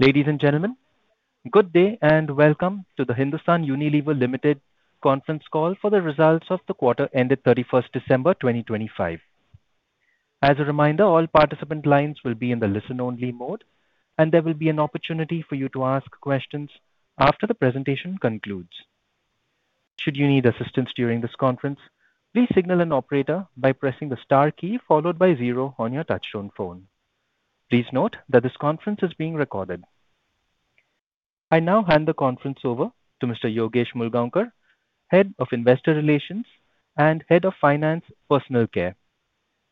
Ladies and gentlemen, good day, and welcome to the Hindustan Unilever Limited Conference Call for the Results of the quarter ended December 31st 2025. As a reminder, all participant lines will be in the listen-only mode, and there will be an opportunity for you to ask questions after the presentation concludes. Should you need assistance during this conference, please signal an operator by pressing the star key, followed by zero on your touchtone phone. Please note that this conference is being recorded. I now hand the conference over to Mr. Yogesh Mulgaonkar, Head of Investor Relations and Head of Finance, Personal Care.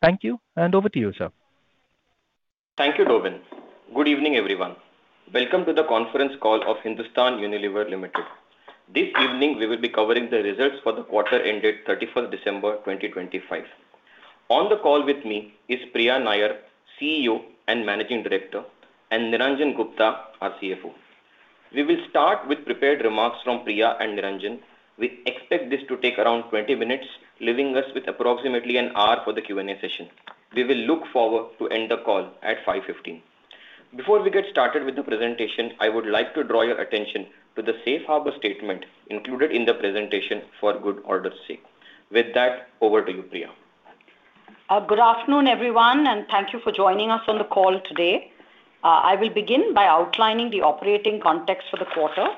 Thank you, and over to you, sir. Thank you, Dorwin. Good evening, everyone. Welcome to the conference call of Hindustan Unilever Limited. This evening, we will be covering the results for the quarter ended December 31 2025. On the call with me is Priya Nair, CEO and Managing Director, and Niranjan Gupta, our CFO. We will start with prepared remarks from Priya and Niranjan. We expect this to take around 20 minutes, leaving us with approximately one hour for the Q&A session. We will look forward to end the call at 5:15 P.M. Before we get started with the presentation, I would like to draw your attention to the safe harbor statement included in the presentation for good order's sake. With that, over to you, Priya. Good afternoon, everyone, and thank you for joining us on the call today. I will begin by outlining the operating context for the quarter,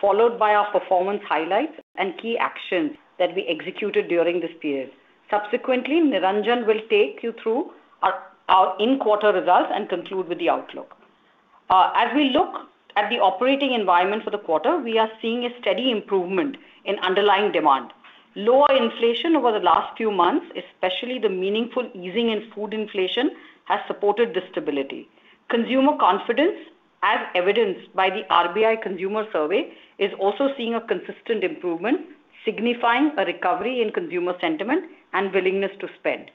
followed by our performance highlights and key actions that we executed during this period. Subsequently, Niranjan will take you through our in-quarter results and conclude with the outlook. As we look at the operating environment for the quarter, we are seeing a steady improvement in underlying demand. Lower inflation over the last few months, especially the meaningful easing in food inflation, has supported this stability. Consumer confidence, as evidenced by the RBI consumer survey, is also seeing a consistent improvement, signifying a recovery in consumer sentiment and willingness to spend.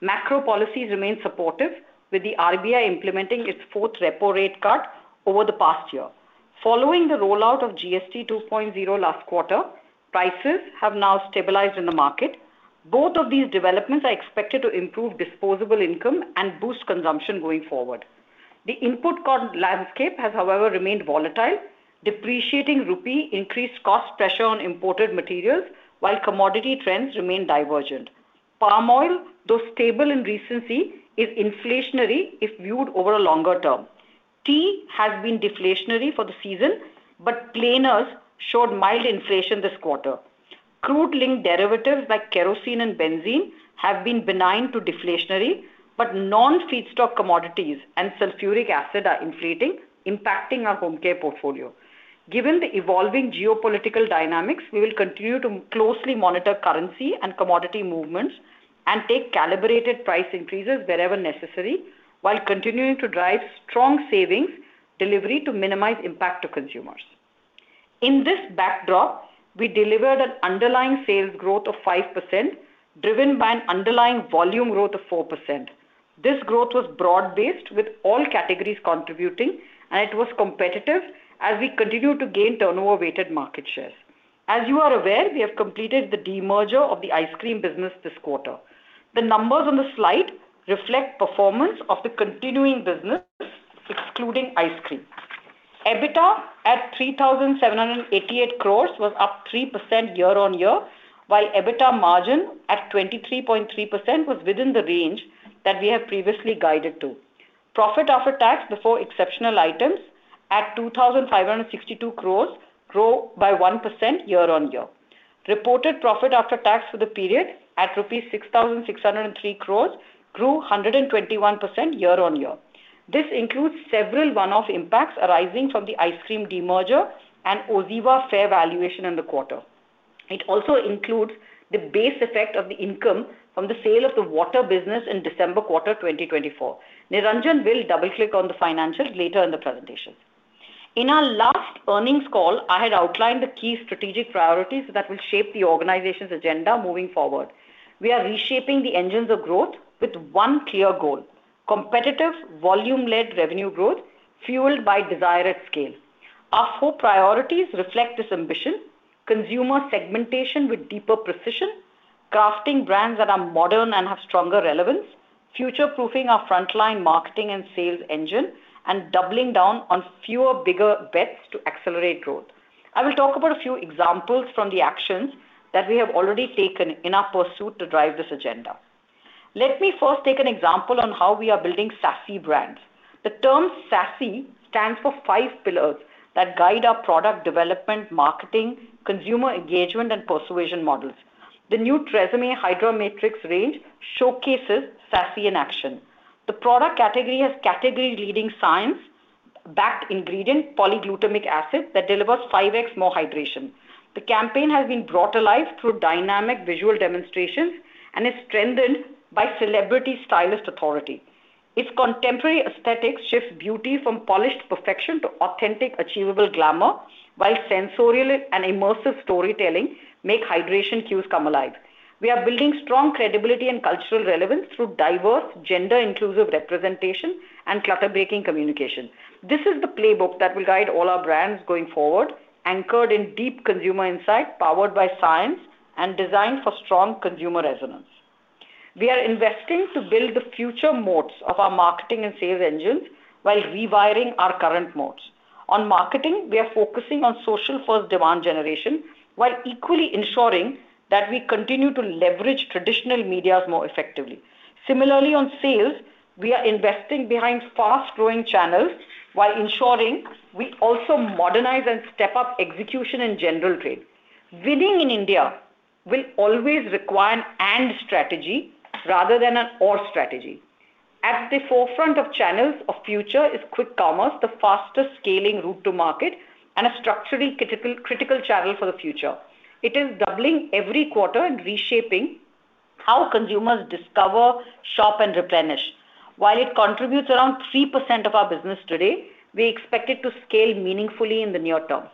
Macro policies remain supportive, with the RBI implementing its fourth repo rate cut over the past year. Following the rollout of GST 2.0 last quarter, prices have now stabilized in the market. Both of these developments are expected to improve disposable income and boost consumption going forward. The input cost landscape has, however, remained volatile. Depreciating rupee increased cost pressure on imported materials, while commodity trends remain divergent. Palm oil, though stable recently, is inflationary if viewed over a longer term. Tea has been deflationary for the season, but planters showed mild inflation this quarter. Crude-linked derivatives like kerosene and benzene have been benign to deflationary, but non-feedstock commodities and sulfuric acid are inflating, impacting our home care portfolio. Given the evolving geopolitical dynamics, we will continue to closely monitor currency and commodity movements and take calibrated price increases wherever necessary, while continuing to drive strong savings delivery to minimize impact to consumers. In this backdrop, we delivered an underlying sales growth of 5%, driven by an underlying volume growth of 4%. This growth was broad-based, with all categories contributing, and it was competitive as we continued to gain turnover-weighted market shares. As you are aware, we have completed the demerger of the ice cream business this quarter. The numbers on the slide reflect performance of the continuing business, excluding ice cream. EBITDA at 3,788 crore was up 3% year-on-year, while EBITDA margin at 23.3% was within the range that we have previously guided to. Profit after tax before exceptional items at 2,562 crore grew by 1% year-on-year. Reported profit after tax for the period, at rupees 6,603 crore, grew 121% year-on-year. This includes several one-off impacts arising from the ice cream demerger and OZiva fair valuation in the quarter. It also includes the base effect of the income from the sale of the water business in December quarter, 2024. Niranjan will double-click on the financials later in the presentation. In our last earnings call, I had outlined the key strategic priorities that will shape the organization's agenda moving forward. We are reshaping the engines of growth with one clear goal: competitive, volume-led revenue growth fueled by desire at scale. Our four priorities reflect this ambition: consumer segmentation with deeper precision, crafting brands that are modern and have stronger relevance, future-proofing our frontline marketing and sales engine, and doubling down on fewer, bigger bets to accelerate growth. I will talk about a few examples from the actions that we have already taken in our pursuit to drive this agenda. Let me first take an example on how we are building SASSY brands. The term SASSY stands for five pillars that guide our product development, marketing, consumer engagement, and persuasion models. The new TRESemmé Hydra Matrix range showcases SASSY in action. The product category has category-leading science-backed ingredient, polyglutamic acid, that delivers 5x more hydration. The campaign has been brought to life through dynamic visual demonstrations and is strengthened by celebrity stylist authority. Its contemporary aesthetics shifts beauty from polished perfection to authentic, achievable glamour, while sensorial and immersive storytelling make hydration cues come alive. We are building strong credibility and cultural relevance through diverse, gender-inclusive representation and clutter-breaking communication. This is the playbook that will guide all our brands going forward, anchored in deep consumer insight, powered by science, and designed for strong consumer resonance. We are investing to build the future moats of our marketing and sales engines while rewiring our current moats. On marketing, we are focusing on social-first demand generation, while equally ensuring that we continue to leverage traditional media more effectively. Similarly, on sales, we are investing behind fast-growing channels while ensuring we also modernize and step up execution in general trade. Winning in India will always require an "and" strategy rather than an "or" strategy. At the forefront of channels of future is quick commerce, the fastest scaling route to market, and a structurally critical, critical channel for the future. It is doubling every quarter and reshaping how consumers discover, shop, and replenish. While it contributes around 3% of our business today, we expect it to scale meaningfully in the near term.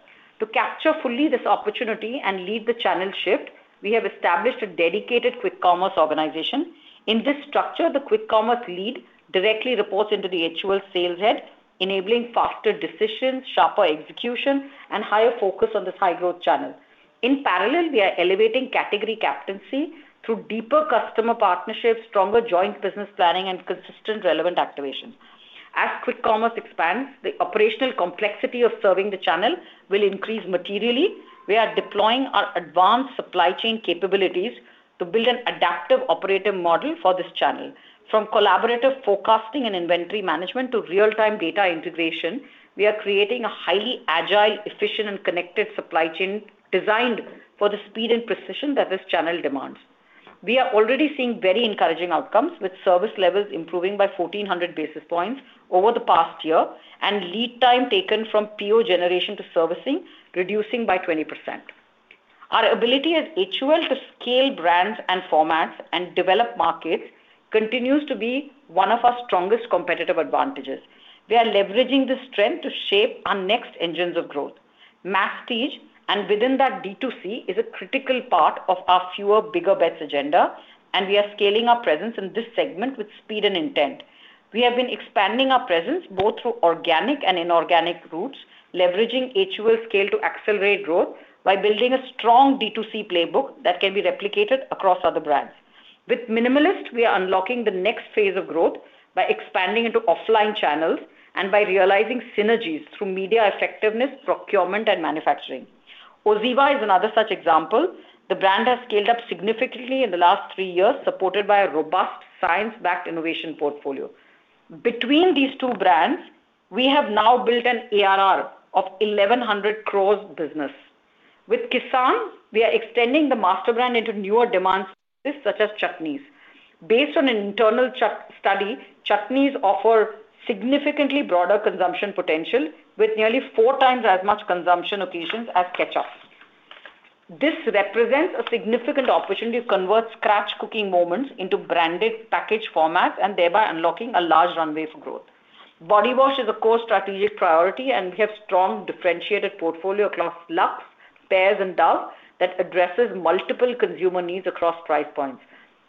To capture fully this opportunity and lead the channel shift, we have established a dedicated quick commerce organization. In this structure, the quick commerce lead directly reports into the HUL sales head, enabling faster decisions, sharper execution, and higher focus on this high-growth channel. In parallel, we are elevating category captaincy through deeper customer partnerships, stronger joint business planning, and consistent relevant activation. As quick commerce expands, the operational complexity of serving the channel will increase materially. We are deploying our advanced supply chain capabilities to build an adaptive operative model for this channel. From collaborative forecasting and inventory management to real-time data integration, we are creating a highly agile, efficient, and connected supply chain designed for the speed and precision that this channel demands. We are already seeing very encouraging outcomes, with service levels improving by 1,400 basis points over the past year, and lead time taken from PO generation to servicing reducing by 20%. Our ability as HUL to scale brands and formats and develop markets continues to be one of our strongest competitive advantages. We are leveraging this strength to shape our next engines of growth. Masstige, and within that, D2C, is a critical part of our fewer, bigger bets agenda, and we are scaling our presence in this segment with speed and intent. We have been expanding our presence both through organic and inorganic routes, leveraging HUL scale to accelerate growth by building a strong D2C playbook that can be replicated across other brands. With Minimalist, we are unlocking the next phase of growth by expanding into offline channels and by realizing synergies through media effectiveness, procurement, and manufacturing. OZiva is another such example. The brand has scaled up significantly in the last three years, supported by a robust, science-backed innovation portfolio. Between these two brands, we have now built an ARR of 1,100 crore business. With Kissan, we are extending the master brand into newer demand spaces, such as chutneys. Based on an internal study, chutneys offer significantly broader consumption potential, with nearly four times as much consumption occasions as ketchup. This represents a significant opportunity to convert scratch cooking moments into branded package formats and thereby unlocking a large runway for growth. Body wash is a core strategic priority, and we have strong, differentiated portfolio across Lux, Pears, and Dove that addresses multiple consumer needs across price points.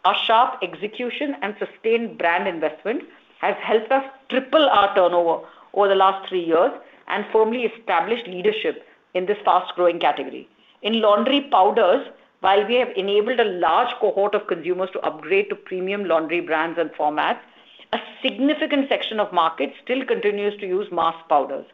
Our sharp execution and sustained brand investment has helped us triple our turnover over the last three years and firmly established leadership in this fast-growing category. In laundry powders, while we have enabled a large cohort of consumers to upgrade to premium laundry brands and formats, a significant section of market still continues to use mass powders.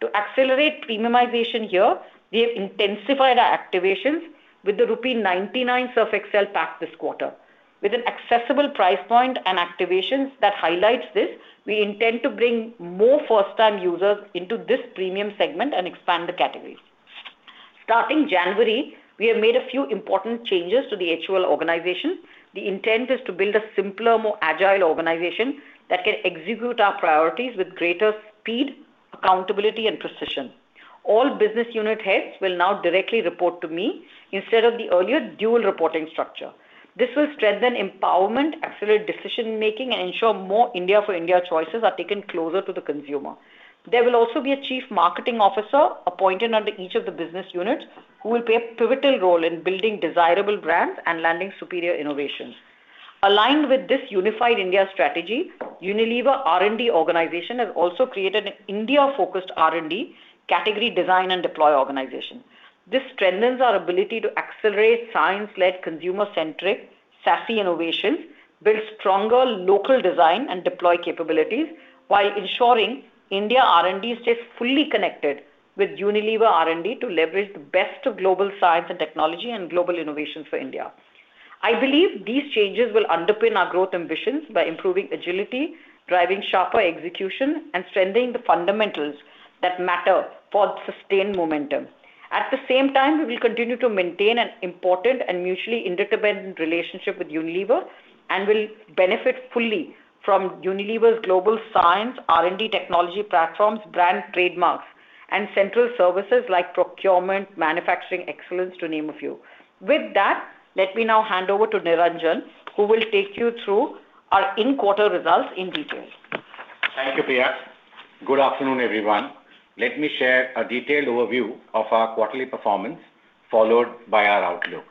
To accelerate premiumization here, we have intensified our activations with the rupee 99 Surf Excel pack this quarter. With an accessible price point and activations that highlights this, we intend to bring more first-time users into this premium segment and expand the categories. Starting January, we have made a few important changes to the HUL organization. The intent is to build a simpler, more agile organization that can execute our priorities with greater speed, accountability, and precision. All business unit heads will now directly report to me instead of the earlier dual reporting structure. This will strengthen empowerment, accelerate decision making, and ensure more India-for-India choices are taken closer to the consumer. There will also be a chief marketing officer appointed under each of the business units, who will play a pivotal role in building desirable brands and landing superior innovations. Aligned with this unified India strategy, Unilever R&D organization has also created an India-focused R&D category design and deploy organization. This strengthens our ability to accelerate science-led, consumer-centric, SASSY innovation, build stronger local design and deploy capabilities, while ensuring India R&D stays fully connected with Unilever R&D to leverage the best of global science and technology and global innovation for India. I believe these changes will underpin our growth ambitions by improving agility, driving sharper execution, and strengthening the fundamentals that matter for sustained momentum. At the same time, we will continue to maintain an important and mutually interdependent relationship with Unilever, and will benefit fully from Unilever's global science, R&D technology platforms, brand trademarks, and central services like procurement, manufacturing excellence, to name a few. With that, let me now hand over to Niranjan, who will take you through our in-quarter results in detail. Thank you, Priya. Good afternoon, everyone. Let me share a detailed overview of our quarterly performance, followed by our outlook.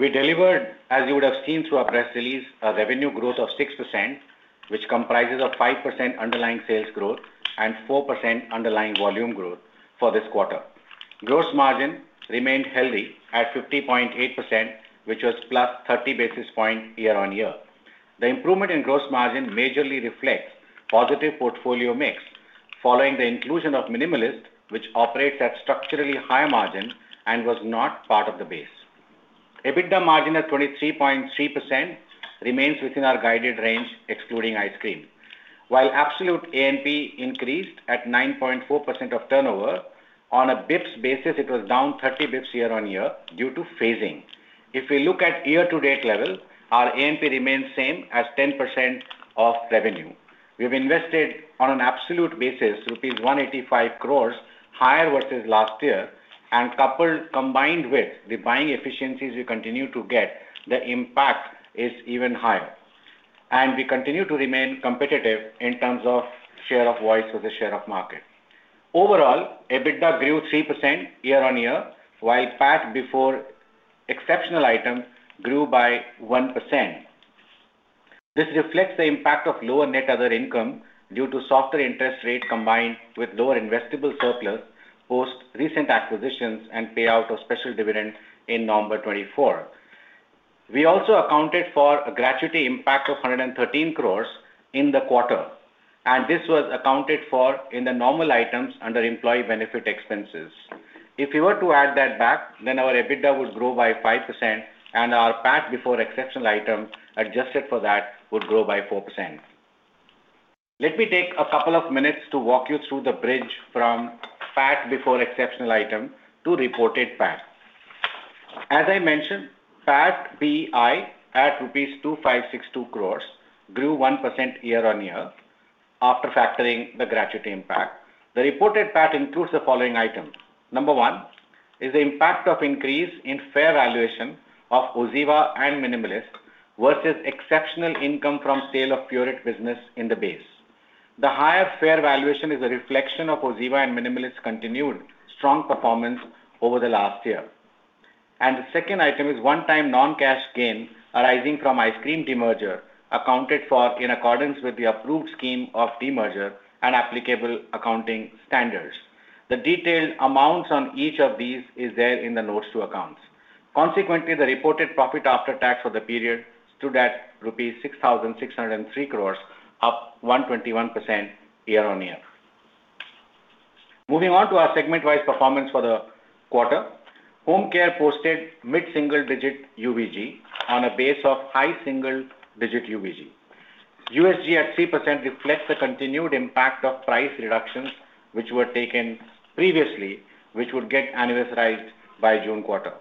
We delivered, as you would have seen through our press release, a revenue growth of 6%, which comprises of 5% underlying sales growth and 4% underlying volume growth for this quarter. Gross margin remained healthy at 50.8%, which was +30 basis points year-on-year. The improvement in gross margin majorly reflects positive portfolio mix following the inclusion of Minimalist, which operates at structurally higher margin and was not part of the base. EBITDA margin at 23.3% remains within our guided range, excluding ice cream. While absolute ANP increased at 9.4% of turnover, on a basis points basis, it was down 30 basis points year-on-year due to phasing. If we look at year-to-date level, our ANP remains same as 10% of revenue. We've invested on an absolute basis, rupees 185 crore, higher versus last year, and coupled, combined with the buying efficiencies we continue to get, the impact is even higher. We continue to remain competitive in terms of share of voice or the share of market. Overall, EBITDA grew 3% year-on-year, while PAT before exceptional items grew by 1%. This reflects the impact of lower net other income due to softer interest rate, combined with lower investable surplus, post recent acquisitions and payout of special dividends in November 2024. We also accounted for a gratuity impact of 113 crore in the quarter, and this was accounted for in the normal items under employee benefit expenses. If we were to add that back, then our EBITDA would grow by 5% and our PAT before exceptional item, adjusted for that, would grow by 4%. Let me take a couple of minutes to walk you through the bridge from PAT before exceptional item to reported PAT. As I mentioned, PAT BEI, at INR 2,562 crores, grew 1% year-on-year after factoring the gratuity impact. The reported PAT includes the following items: Number one, is the impact of increase in fair valuation of OZiva and Minimalist versus exceptional income from sale of Pureit business in the base. The higher fair valuation is a reflection of OZiva and Minimalist's continued strong performance over the last year. The second item is one-time non-cash gain arising from ice cream demerger, accounted for in accordance with the approved scheme of demerger and applicable accounting standards. The detailed amounts on each of these is there in the notes to accounts. Consequently, the reported profit after tax for the period stood at rupees 6,603 crore, up 121% year-on-year. Moving on to our segment-wise performance for the quarter. Home care posted mid-single-digit UVG on a base of high single-digit UVG. USG at 3% reflects the continued impact of price reductions, which were taken previously, which would get anniversarized by June quarter.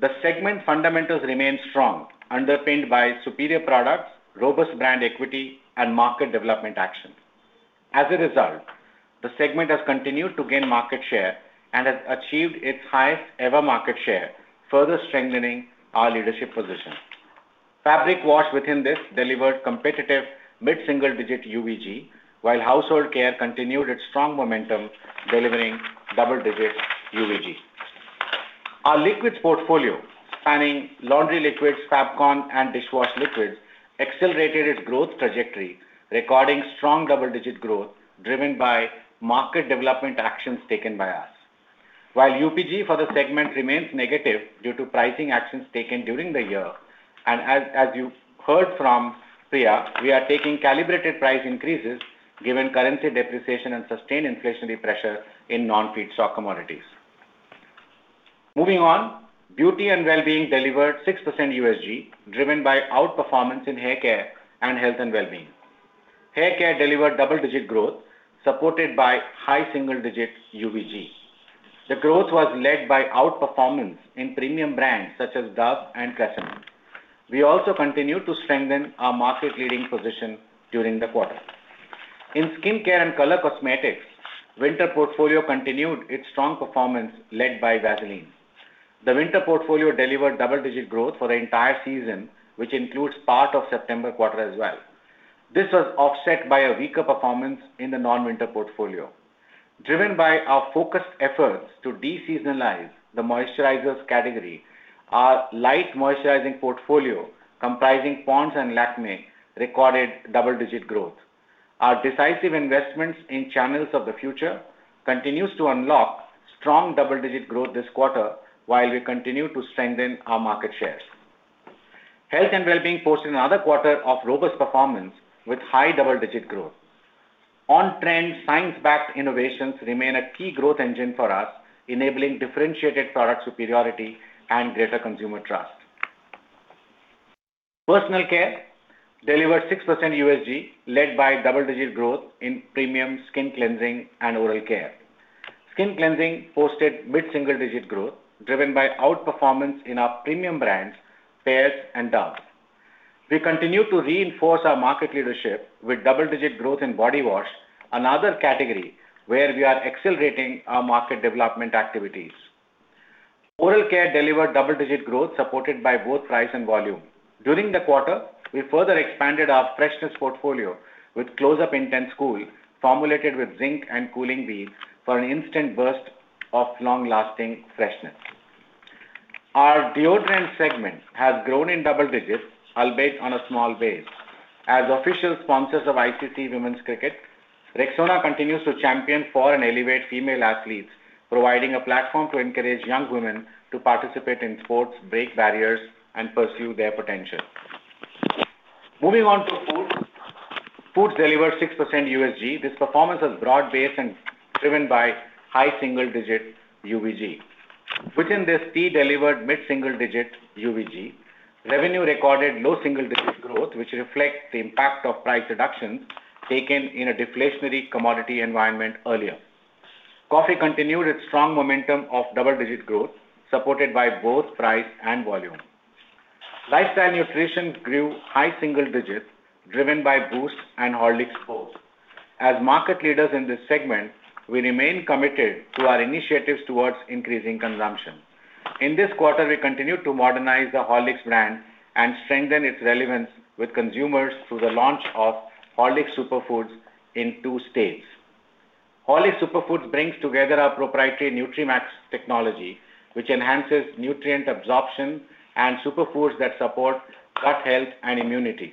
The segment fundamentals remain strong, underpinned by superior products, robust brand equity, and market development actions. As a result, the segment has continued to gain market share and has achieved its highest ever market share, further strengthening our leadership position. Fabric wash within this delivered competitive mid-single-digit UVG, while household care continued its strong momentum, delivering double-digit UVG. Our liquids portfolio, spanning laundry liquids, Fabcon, and dishwasher liquids, accelerated its growth trajectory, recording strong double-digit growth driven by market development actions taken by us. While UPG for the segment remains negative due to pricing actions taken during the year, and as you heard from Priya, we are taking calibrated price increases given currency depreciation and sustained inflationary pressure in non-feedstock commodities. Moving on, beauty and well-being delivered 6% USG, driven by outperformance in hair care and health and well-being. Hair care delivered double-digit growth, supported by high single-digit UVG. The growth was led by outperformance in premium brands such as Dove and TRESemmé. We also continued to strengthen our market-leading position during the quarter. In skin care and color cosmetics, winter portfolio continued its strong performance, led by Vaseline. The winter portfolio delivered double-digit growth for the entire season, which includes part of September quarter as well. This was offset by a weaker performance in the non-winter portfolio. Driven by our focused efforts to de-seasonalize the moisturizers category, our light moisturizing portfolio, comprising Pond's and Lakmé, recorded double-digit growth. Our decisive investments in channels of the future continues to unlock strong double-digit growth this quarter, while we continue to strengthen our market shares. Health and well-being posted another quarter of robust performance with high double-digit growth. On-trend, science-backed innovations remain a key growth engine for us, enabling differentiated product superiority and greater consumer trust. Personal care delivered 6% USG, led by double-digit growth in premium skin cleansing and oral care. Skin cleansing posted mid-single-digit growth, driven by outperformance in our premium brands, Pears and Dove. We continue to reinforce our market leadership with double-digit growth in body wash, another category where we are accelerating our market development activities. Oral care delivered double-digit growth, supported by both price and volume. During the quarter, we further expanded our freshness portfolio with Close-Up Intense Cool, formulated with zinc and cooling beads for an instant burst of long-lasting freshness. Our deodorant segment has grown in double digits, albeit on a small base. As official sponsors of ICT Women's Cricket, Rexona continues to champion for and elevate female athletes, providing a platform to encourage young women to participate in sports, break barriers, and pursue their potential. Moving on to food. Food delivered 6% USG. This performance is broad-based and driven by high single-digit UVG. Within this, tea delivered mid-single-digit UVG. Revenue recorded low single-digit growth, which reflects the impact of price reductions taken in a deflationary commodity environment earlier. Coffee continued its strong momentum of double-digit growth, supported by both price and volume. Lifestyle Nutrition grew high single digits, driven by Boost and Horlicks. As market leaders in this segment, we remain committed to our initiatives towards increasing consumption. In this quarter, we continued to modernize the Horlicks brand and strengthen its relevance with consumers through the launch of Horlicks Superfoods in two states. Horlicks Superfoods brings together our proprietary NutriMax technology, which enhances nutrient absorption and superfoods that support gut health and immunity.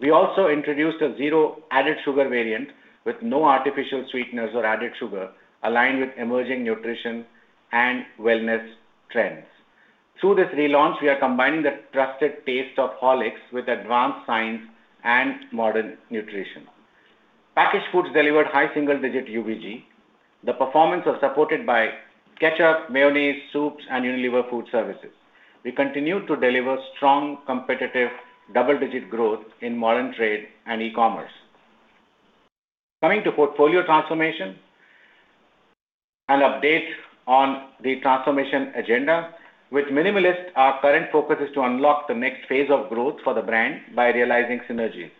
We also introduced a zero-added-sugar variant with no artificial sweeteners or added sugar, aligned with emerging nutrition and wellness trends. Through this relaunch, we are combining the trusted taste of Horlicks with advanced science and modern nutrition. Packaged foods delivered high single digit UVG. The performance was supported by ketchup, mayonnaise, soups, and Unilever Food Services. We continued to deliver strong, competitive, double-digit growth in modern trade and e-commerce. Coming to portfolio transformation, an update on the transformation agenda. With Minimalist, our current focus is to unlock the next phase of growth for the brand by realizing synergies.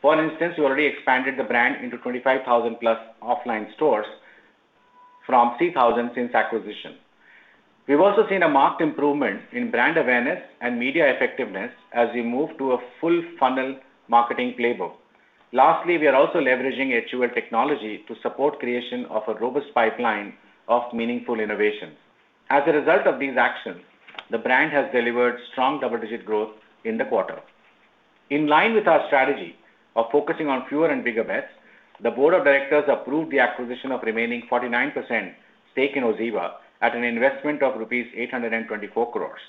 For instance, we already expanded the brand into 25,000+ offline stores from 3,000 since acquisition. We've also seen a marked improvement in brand awareness and media effectiveness as we move to a full funnel marketing playbook. Lastly, we are also leveraging HUL technology to support creation of a robust pipeline of meaningful innovation. As a result of these actions, the brand has delivered strong double-digit growth in the quarter. In line with our strategy of focusing on fewer and bigger bets, the board of directors approved the acquisition of remaining 49% stake in OZiva at an investment of rupees 824 crores.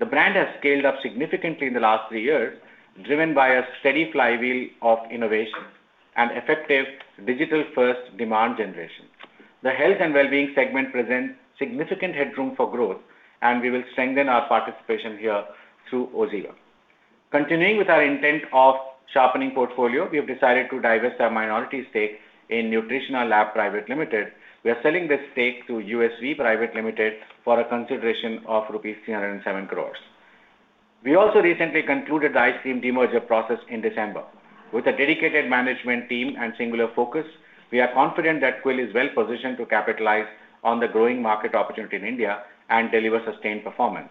The brand has scaled up significantly in the last three years, driven by a steady flywheel of innovation and effective digital-first demand generation. The health and well-being segment presents significant headroom for growth, and we will strengthen our participation here through OZiva. Continuing with our intent of sharpening portfolio, we have decided to divest our minority stake in Nutritionalab Private Limited. We are selling this stake to USV Private Limited for a consideration of INR 307 crores. We also recently concluded the ice cream demerger process in December. With a dedicated management team and singular focus, we are confident that Kwality Wall's is well positioned to capitalize on the growing market opportunity in India and deliver sustained performance.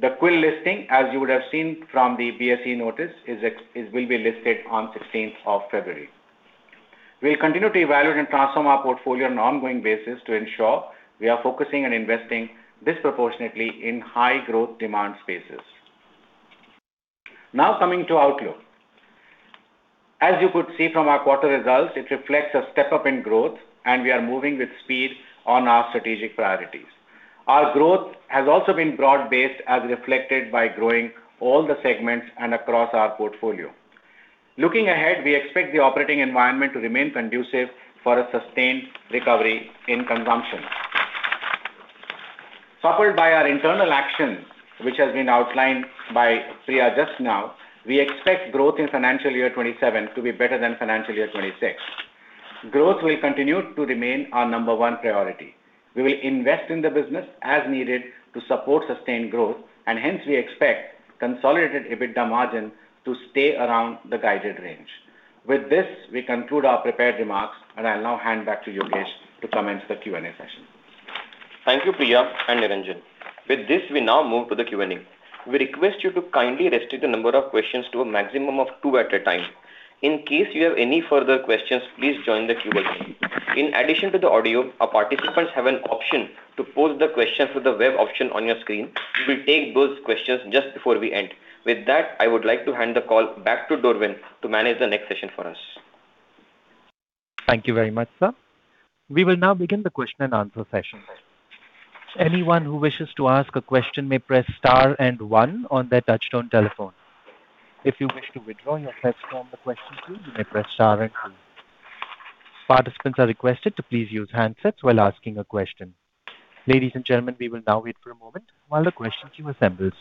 The Kwality Wall's listing, as you would have seen from the BSE notice, will be listed on sixteenth of February. We'll continue to evaluate and transform our portfolio on an ongoing basis to ensure we are focusing and investing disproportionately in high growth demand spaces. Now coming to outlook. As you could see from our quarter results, it reflects a step-up in growth, and we are moving with speed on our strategic priorities. Our growth has also been broad-based, as reflected by growing all the segments and across our portfolio. Looking ahead, we expect the operating environment to remain conducive for a sustained recovery in consumption. Supported by our internal action, which has been outlined by Priya just now, we expect growth in financial year 2027 to be better than financial year 2026. Growth will continue to remain our number 1 priority. We will invest in the business as needed to support sustained growth, and hence we expect consolidated EBITDA margin to stay around the guided range. With this, we conclude our prepared remarks, and I'll now hand back to Yogesh to commence the Q&A session. Thank you, Priya and Niranjan. With this, we now move to the Q&A. We request you to kindly restrict the number of questions to a maximum of two at a time. In case you have any further questions, please join the Q&A. In addition to the audio, our participants have an option to pose the question through the web option on your screen. We'll take those questions just before we end. With that, I would like to hand the call back to Dorwin to manage the next session for us. Thank you very much, sir. We will now begin the question and answer session. Anyone who wishes to ask a question may press star and one on their touchtone telephone. If you wish to withdraw your request from the question queue, you may press star and two. Participants are requested to please use handsets while asking a question. Ladies and gentlemen, we will now wait for a moment while the question queue assembles.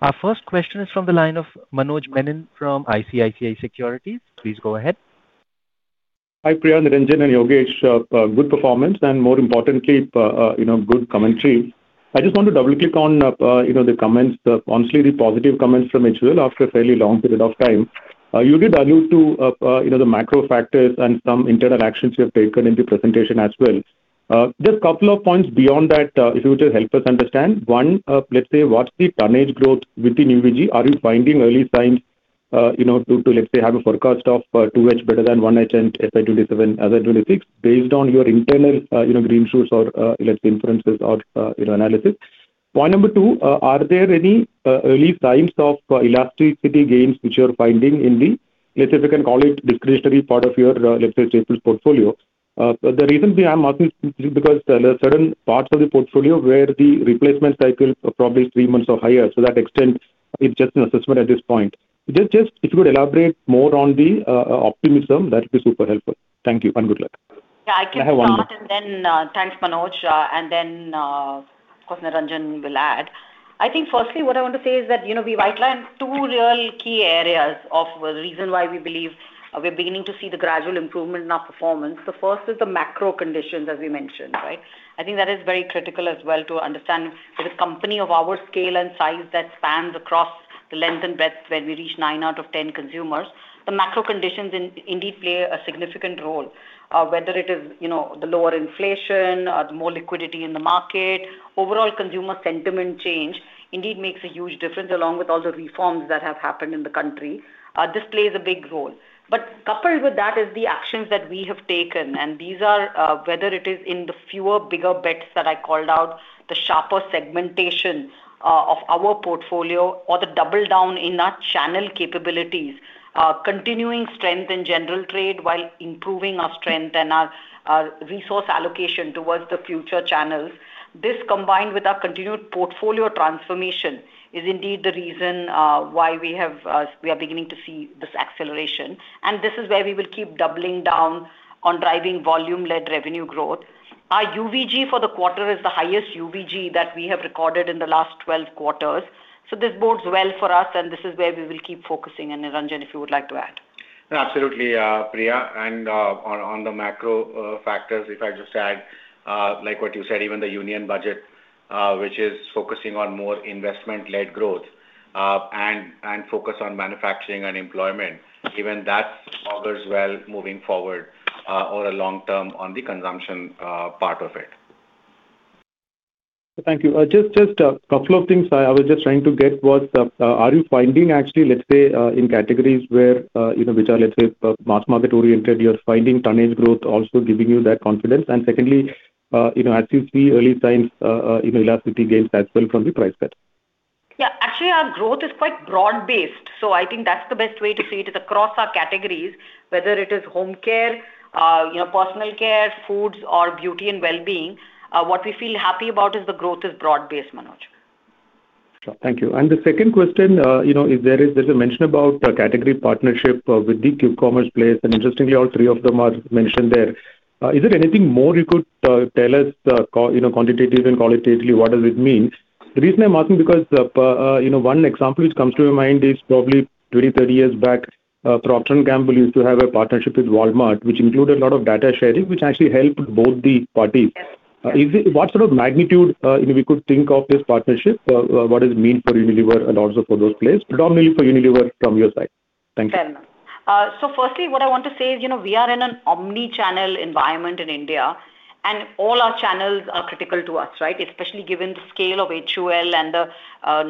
Our first question is from the line of Manoj Menon from ICICI Securities. Please go ahead. Hi, Priya, Niranjan, and Yogesh. Good performance, and more importantly, you know, good commentary. I just want to double-click on, you know, the comments, honestly, the positive comments from HUL after a fairly long period of time. You did allude to, you know, the macro factors and some internal actions you have taken in the presentation as well. Just couple of points beyond that, if you would just help us understand. One, let's say, what's the tonnage growth within UVG? Are you finding early signs of, you know, to let's say, have a forecast of 2H better than 1H and FY27, FY26, based on your internal, you know, green shoots or less inferences or, you know, analysis. Point number two, are there any early signs of elasticity gains which you're finding in the, let's say, we can call it discretionary part of your, let's say, staples portfolio? The reason we are asking is because the certain parts of the portfolio where the replacement cycle is probably three months or higher, so that extent is just an assessment at this point. Just, just if you could elaborate more on the optimism, that would be super helpful. Thank you, and good luck. Yeah, I can start- I have one- Thanks, Manoj, and then, of course, Niranjan will add. I think firstly, what I want to say is that, you know, we've outlined two real key areas of the reason why we believe we're beginning to see the gradual improvement in our performance. The first is the macro conditions, as we mentioned, right? I think that is very critical as well to understand, for the company of our scale and size that spans across the length and breadth, where we reach nine out of ten consumers. The macro conditions indeed play a significant role. Whether it is, you know, the lower inflation, the more liquidity in the market, overall consumer sentiment change indeed makes a huge difference, along with all the reforms that have happened in the country. This plays a big role. But coupled with that is the actions that we have taken, and these are, whether it is in the fewer, bigger bets that I called out, the sharper segmentation, of our portfolio or the double down in our channel capabilities, continuing strength in general trade while improving our strength and our, resource allocation towards the future channels. This, combined with our continued portfolio transformation, is indeed the reason, why we have, we are beginning to see this acceleration, and this is where we will keep doubling down on driving volume-led revenue growth. Our UVG for the quarter is the highest UVG that we have recorded in the last twelve quarters, so this bodes well for us, and this is where we will keep focusing. And, Niranjan, if you would like to add. Absolutely, Priya. And on the macro factors, if I just add, like what you said, even the Union Budget, which is focusing on more investment-led growth, and focus on manufacturing and employment, even that bodes well moving forward, or the long term on the consumption part of it. Thank you. Just a couple of things I was just trying to get, are you finding actually, let's say, in categories where, you know, which are, let's say, mass market-oriented, you're finding tonnage growth also giving you that confidence? And secondly, you know, as you see early signs, in elasticity gains as well from the price set. Yeah. Actually, our growth is quite broad-based, so I think that's the best way to see it, is across our categories, whether it is home care, you know, personal care, foods, or beauty and well-being. What we feel happy about is the growth is broad-based, Manoj. Thank you. And the second question, you know, if there is, there's a mention about a category partnership with the quick commerce place, and interestingly, all three of them are mentioned there. Is there anything more you could tell us, you know, quantitative and qualitatively, what does it mean? The reason I'm asking because, you know, one example which comes to my mind is probably 20-30 years back, Procter & Gamble used to have a partnership with Walmart, which included a lot of data sharing, which actually helped both the parties. Yes. What sort of magnitude, you know, we could think of this partnership? What does it mean for Unilever and also for those players, predominantly for Unilever from your side? Thank you. Sure. So firstly, what I want to say is, you know, we are in an omni-channel environment in India, and all our channels are critical to us, right? Especially given the scale of HUL and the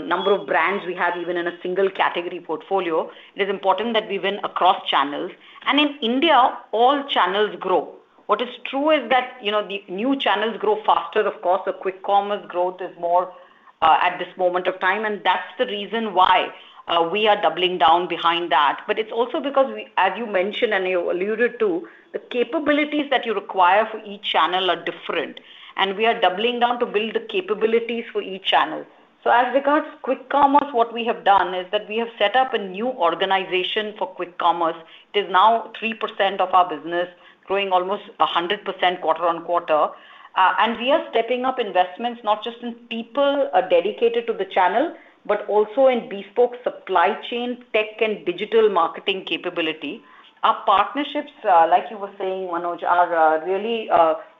number of brands we have even in a single category portfolio. It is important that we win across channels. And in India, all channels grow. What is true is that, you know, the new channels grow faster, of course. The quick commerce growth is more at this moment of time, and that's the reason why we are doubling down behind that. But it's also because we... as you mentioned and you alluded to, the capabilities that you require for each channel are different, and we are doubling down to build the capabilities for each channel. So as regards quick commerce, what we have done is that we have set up a new organization for quick commerce. It is now 3% of our business, growing almost 100% quarter-over-quarter. And we are stepping up investments, not just in people dedicated to the channel, but also in bespoke supply chain, tech, and digital marketing capability. Our partnerships, like you were saying, Manoj, are really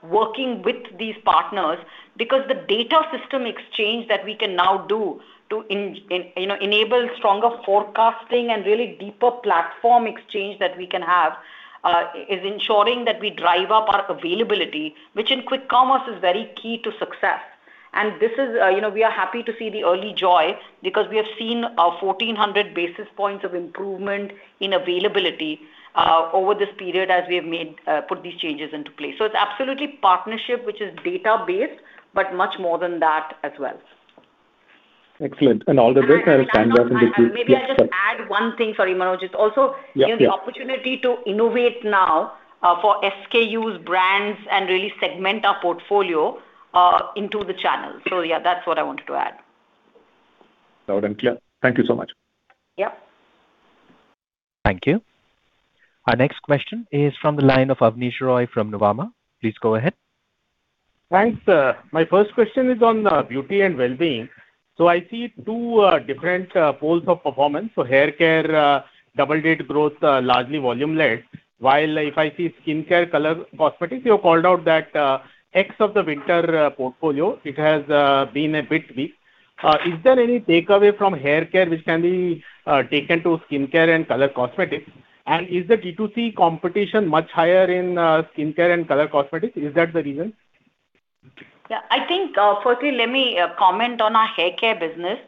working with these partners because the data system exchange that we can now do to you know, enable stronger forecasting and really deeper platform exchange that we can have, is ensuring that we drive up our availability, which in quick commerce is very key to success. This is, you know, we are happy to see the early joy because we have seen 1,400 basis points of improvement in availability over this period as we have made put these changes into place. So it's absolutely partnership, which is data-based, but much more than that as well. Excellent. All the best, and I'll hand off to- Maybe I'll just add one thing for you, Manoj. It's also- Yeah, yeah. The opportunity to innovate now for SKUs, brands, and really segment our portfolio into the channels. So yeah, that's what I wanted to add. Loud and clear. Thank you so much. Yeah. Thank you. Our next question is from the line of Abneesh Roy from Nuvama. Please go ahead. Thanks. My first question is on beauty and well-being. So I see two different poles of performance. So hair care double-digit growth largely volume-led, while if I see skincare, color cosmetics, you have called out that exit of the winter portfolio, it has been a bit weak. Is there any takeaway from hair care which can be taken to skincare and color cosmetics? And is the D2C competition much higher in skincare and color cosmetics? Is that the reason?... Yeah, I think, firstly, let me comment on our hair care business.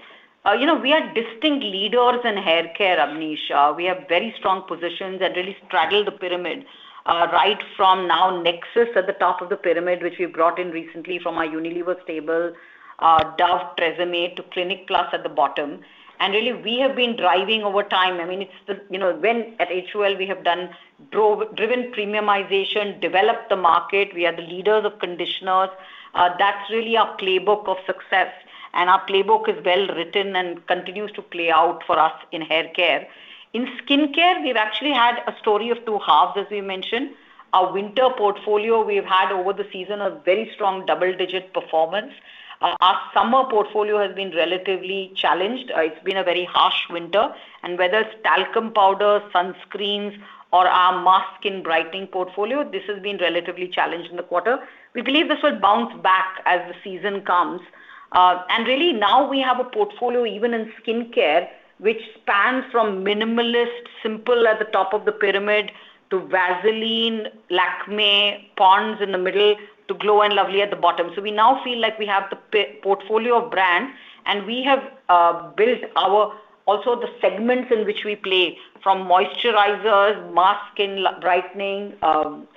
You know, we are distinct leaders in hair care, Avnish. We have very strong positions that really straddle the pyramid, right from now Nexxus at the top of the pyramid, which we brought in recently from our Unilever stable, Dove, TRESemmé, to Clinic Plus at the bottom. And really, we have been driving over time. I mean, it's the... You know, when at HUL, we have done driven premiumization, developed the market. We are the leaders of conditioners. That's really our playbook of success, and our playbook is well written and continues to play out for us in hair care. In skin care, we've actually had a story of two halves, as we mentioned. Our winter portfolio, we've had over the season, a very strong double-digit performance. Our summer portfolio has been relatively challenged. It's been a very harsh winter, and whether it's talcum powder, sunscreens, or our masks and brightening portfolio, this has been relatively challenged in the quarter. We believe this will bounce back as the season comes. And really now we have a portfolio, even in skin care, which spans from Minimalist, Simple at the top of the pyramid to Vaseline, Lakmé, Ponds in the middle, to Glow & Lovely at the bottom. So we now feel like we have the portfolio of brands, and we have also built the segments in which we play, from moisturizers, masks and brightening,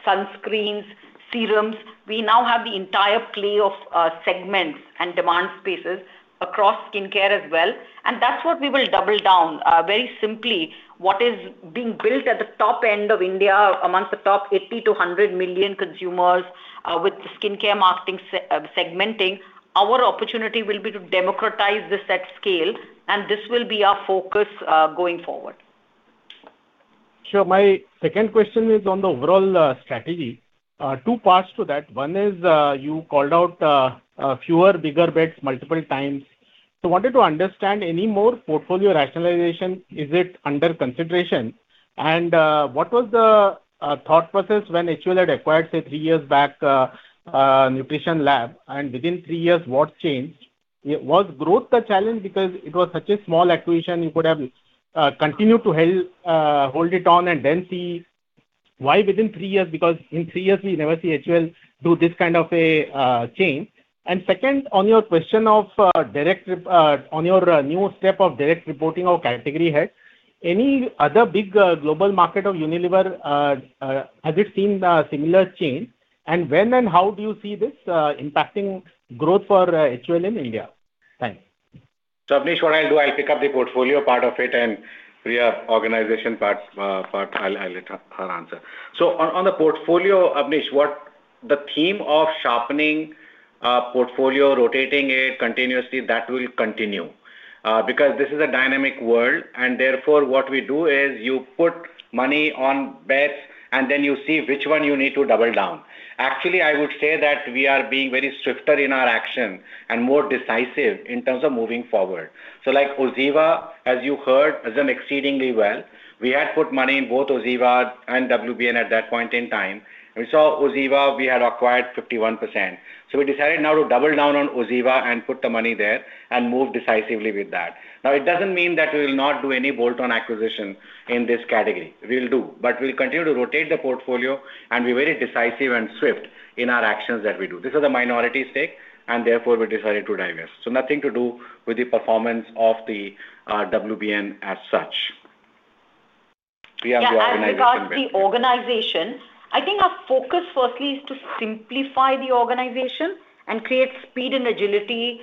sunscreens, serums. We now have the entire play of segments and demand spaces across skin care as well, and that's what we will double down. Very simply, what is being built at the top end of India, among the top 80-100 million consumers, with the skin care marketing segmenting, our opportunity will be to democratize this at scale, and this will be our focus going forward. Sure. My second question is on the overall strategy. Two parts to that. One is, you called out fewer, bigger bets multiple times. So wanted to understand any more portfolio rationalization, is it under consideration? And, what was the thought process when HUL had acquired, say, three years back, Nutritionalab, and within three years, what changed? Was growth the challenge because it was such a small acquisition, you could have continued to help hold it on and then see why within three years, because in three years, we never see HUL do this kind of a change. And second, on your new step of direct reporting of category head, any other big global market of Unilever has it seen similar change? When and how do you see this impacting growth for HUL in India? Thanks. So, Abneesh, what I'll do, I'll pick up the portfolio part of it, and Priya, organization part, part, I'll, I'll let her, her answer. So on, on the portfolio, Abneesh, what the theme of sharpening, portfolio, rotating it continuously, that will continue. Because this is a dynamic world, and therefore, what we do is you put money on bets, and then you see which one you need to double down. Actually, I would say that we are being very swifter in our action and more decisive in terms of moving forward. So like OZiva, as you heard, has done exceedingly well. We had put money in both OZiva and WBN at that point in time. We saw OZiva, we had acquired 51%. So we decided now to double down on OZiva and put the money there and move decisively with that. Now, it doesn't mean that we will not do any bolt-on acquisition in this category. We'll do, but we'll continue to rotate the portfolio, and be very decisive and swift in our actions that we do. This is a minority stake, and therefore, we decided to divest. So nothing to do with the performance of the WBN as such. Priya, on organization- Yeah, as regards the organization, I think our focus, firstly, is to simplify the organization and create speed and agility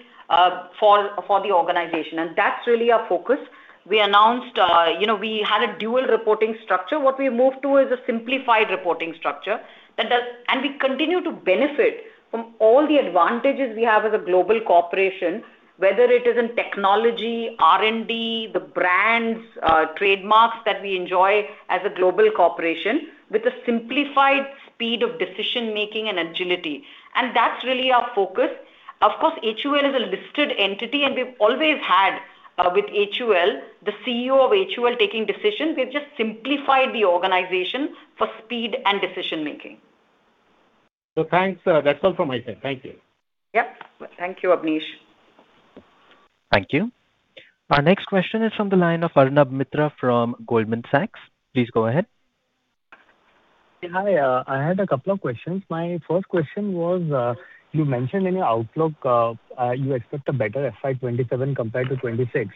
for the organization, and that's really our focus. We announced, you know, we had a dual reporting structure. What we moved to is a simplified reporting structure that does... We continue to benefit from all the advantages we have as a global corporation, whether it is in technology, R&D, the brands, trademarks that we enjoy as a global corporation, with a simplified speed of decision-making and agility. And that's really our focus. Of course, HUL is a listed entity, and we've always had, with HUL, the CEO of HUL, taking decisions. We've just simplified the organization for speed and decision-making. Thanks. That's all from my side. Thank you. Yep. Thank you, Abneesh. Thank you. Our next question is from the line of Arnab Mitra from Goldman Sachs. Please go ahead. Hi, I had a couple of questions. My first question was, you mentioned in your outlook, you expect a better FY 2027 compared to 2026.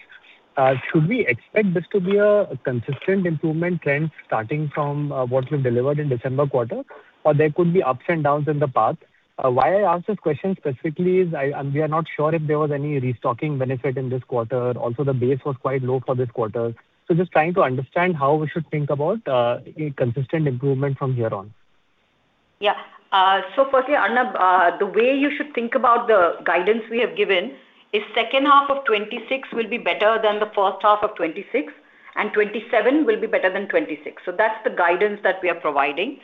Should we expect this to be a consistent improvement trend starting from, what you've delivered in December quarter, or there could be ups and downs in the path? Why I ask this question specifically is I, and we are not sure if there was any restocking benefit in this quarter. Also, the base was quite low for this quarter. So just trying to understand how we should think about, a consistent improvement from here on. Yeah. So firstly, Arnab, the way you should think about the guidance we have given is second half of 2026 will be better than the first half of 2026, and 2027 will be better than 2026. So that's the guidance that we are providing.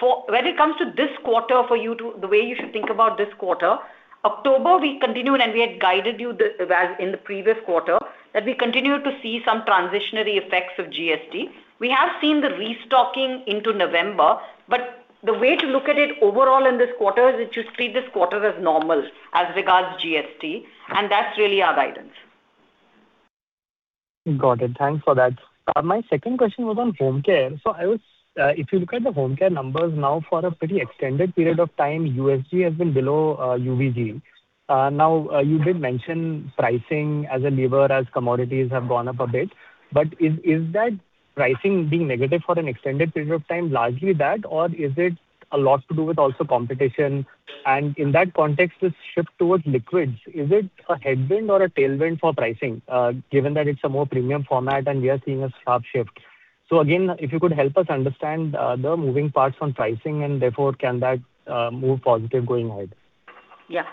For, when it comes to this quarter, for you to... The way you should think about this quarter, October, we continued, and we had guided you the, as in the previous quarter, that we continued to see some transitory effects of GST. We have seen the restocking into November, but the way to look at it overall in this quarter is you should see this quarter as normal as regards GST, and that's really our guidance.... Got it. Thanks for that. My second question was on home care. So I was, if you look at the home care numbers now for a pretty extended period of time, USG has been below, UVG. Now, you did mention pricing as a lever, as commodities have gone up a bit. But is that pricing being negative for an extended period of time, largely bad, or is it a lot to do with also competition? And in that context, this shift towards liquids, is it a headwind or a tailwind for pricing, given that it's a more premium format and we are seeing a sharp shift? So again, if you could help us understand, the moving parts on pricing and therefore can that, move positive going forward? Yeah.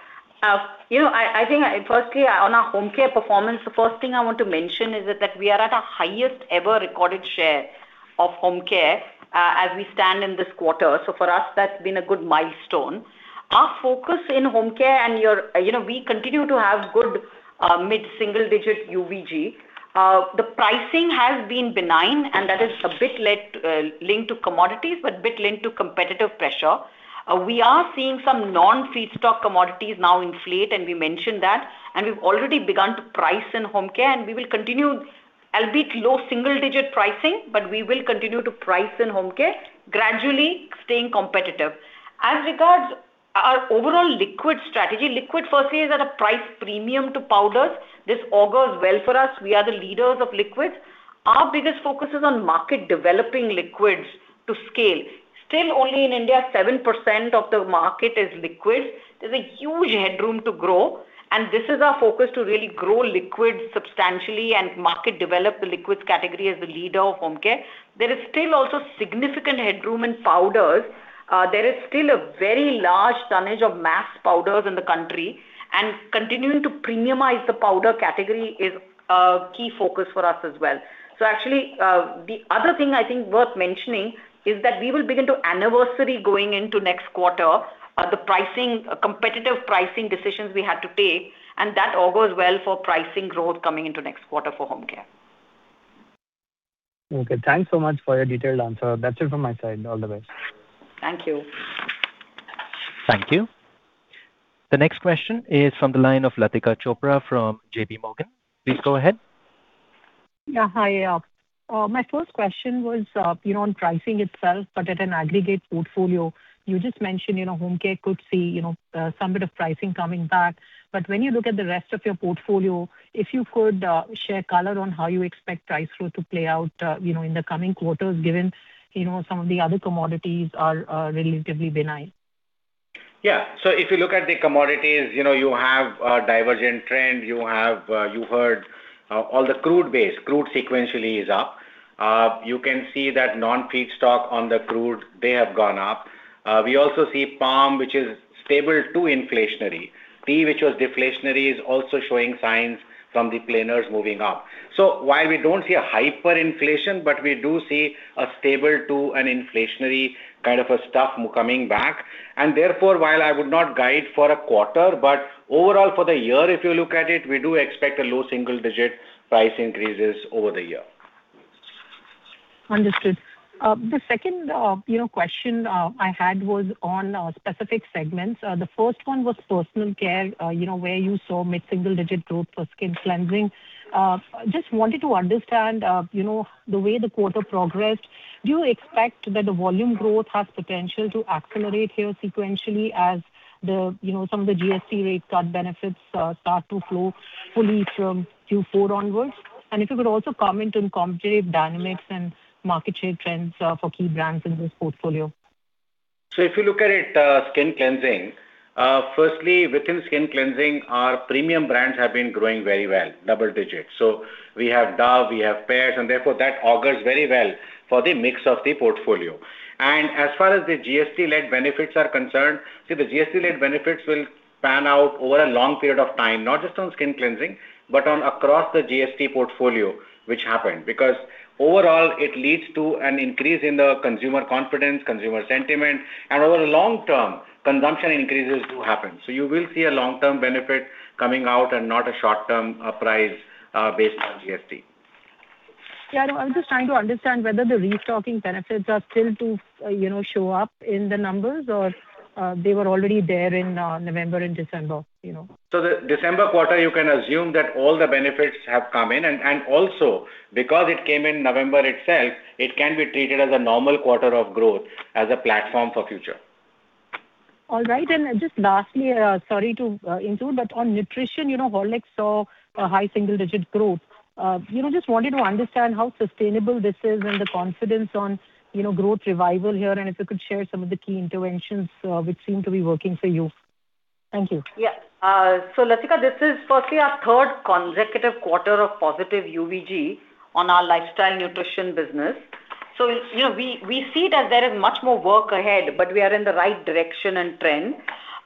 You know, I think firstly, on our home care performance, the first thing I want to mention is that we are at a highest ever recorded share of home care, as we stand in this quarter. So for us, that's been a good milestone. Our focus in home care and your. You know, we continue to have good, mid-single-digit UVG. The pricing has been benign, and that is a bit led, linked to commodities, but a bit linked to competitive pressure. We are seeing some non-feedstock commodities now inflate, and we mentioned that, and we've already begun to price in home care, and we will continue, albeit low single digit pricing, but we will continue to price in home care, gradually staying competitive. As regards our overall liquid strategy, liquid per se, is at a price premium to powders. This augurs well for us. We are the leaders of liquids. Our biggest focus is on market developing liquids to scale. Still, only in India, 7% of the market is liquids. There's a huge headroom to grow, and this is our focus to really grow liquids substantially and market develop the liquids category as the leader of home care. There is still also significant headroom in powders. There is still a very large tonnage of mass powders in the country, and continuing to premiumize the powder category is a key focus for us as well. So actually, the other thing I think worth mentioning is that we will begin to anniversary going into next quarter, the pricing, competitive pricing decisions we had to take, and that all goes well for pricing growth coming into next quarter for home care. Okay, thanks so much for your detailed answer. That's it from my side. All the best. Thank you. Thank you. The next question is from the line of Latika Chopra from JPMorgan. Please go ahead. Yeah, hi. My first question was, you know, on pricing itself, but at an aggregate portfolio. You just mentioned, you know, home care could see, you know, some bit of pricing coming back. But when you look at the rest of your portfolio, if you could, share color on how you expect price growth to play out, you know, in the coming quarters, given, you know, some of the other commodities are relatively benign. Yeah. So if you look at the commodities, you know, you have a divergent trend. You have, you heard, all the crude base. Crude sequentially is up. You can see that non-feedstock on the crude, they have gone up. We also see palm, which is stable to inflationary. Tea, which was deflationary, is also showing signs from the planters moving up. So while we don't see a hyperinflation, but we do see a stable to an inflationary kind of a stuff coming back, and therefore, while I would not guide for a quarter, but overall for the year, if you look at it, we do expect a low single-digit price increases over the year. Understood. The second, you know, question I had was on specific segments. The first one was personal care, you know, where you saw mid-single-digit growth for skin cleansing. Just wanted to understand, you know, the way the quarter progressed, do you expect that the volume growth has potential to accelerate here sequentially as the, you know, some of the GST rate cut benefits start to flow fully from Q4 onwards? And if you could also comment on competitive dynamics and market share trends for key brands in this portfolio. So if you look at it, skin cleansing, firstly, within skin cleansing, our premium brands have been growing very well, double digits. So we have Dove, we have Pears, and therefore, that augurs very well for the mix of the portfolio. And as far as the GST-led benefits are concerned, see, the GST-led benefits will pan out over a long period of time, not just on skin cleansing, but across the GST portfolio, which happened. Because overall, it leads to an increase in the consumer confidence, consumer sentiment, and over the long term, consumption increases do happen. So you will see a long-term benefit coming out and not a short-term, price, based on GST. Yeah, I was just trying to understand whether the restocking benefits are still to, you know, show up in the numbers or, they were already there in, November and December, you know? So the December quarter, you can assume that all the benefits have come in, and also because it came in November itself, it can be treated as a normal quarter of growth as a platform for future. All right. And just lastly, sorry to intrude, but on nutrition, you know, Horlicks saw a high single-digit growth. You know, just wanted to understand how sustainable this is and the confidence on, you know, growth revival here, and if you could share some of the key interventions, which seem to be working for you. Thank you. Yeah. So Latika, this is firstly our third consecutive quarter of positive UVG on our lifestyle nutrition business. So, you know, we see it as there is much more work ahead, but we are in the right direction and trend.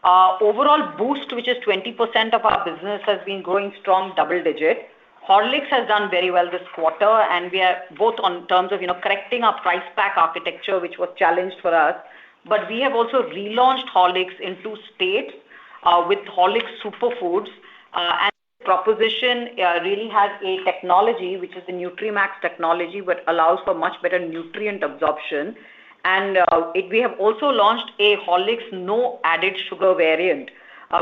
Overall Boost, which is 20% of our business, has been growing strong, double digits. Horlicks has done very well this quarter, and we are both on terms of, you know, correcting our price pack architecture, which was challenged for us. But we have also relaunched Horlicks in two states, with Horlicks Superfoods, and the proposition really has a technology, which is the NutriMax technology, which allows for much better nutrient absorption. And, we have also launched a Horlicks no added sugar variant,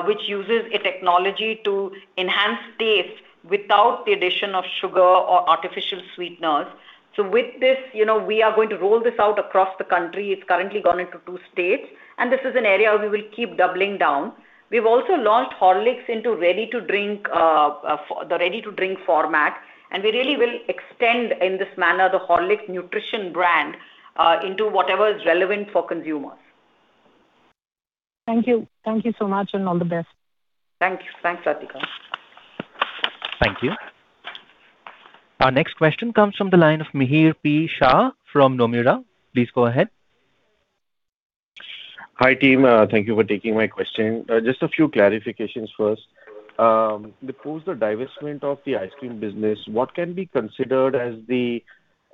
which uses a technology to enhance taste without the addition of sugar or artificial sweeteners. So with this, you know, we are going to roll this out across the country. It's currently gone into two states, and this is an area we will keep doubling down. We've also launched Horlicks into ready-to-drink, the ready-to-drink format, and we really will extend in this manner the Horlicks nutrition brand into whatever is relevant for consumers. Thank you. Thank you so much, and all the best. Thank you. Thanks, Latika. Thank you. Our next question comes from the line of Mihir P. Shah from Nomura. Please go ahead. Hi, team. Thank you for taking my question. Just a few clarifications first. Before the divestment of the ice cream business, what can be considered as the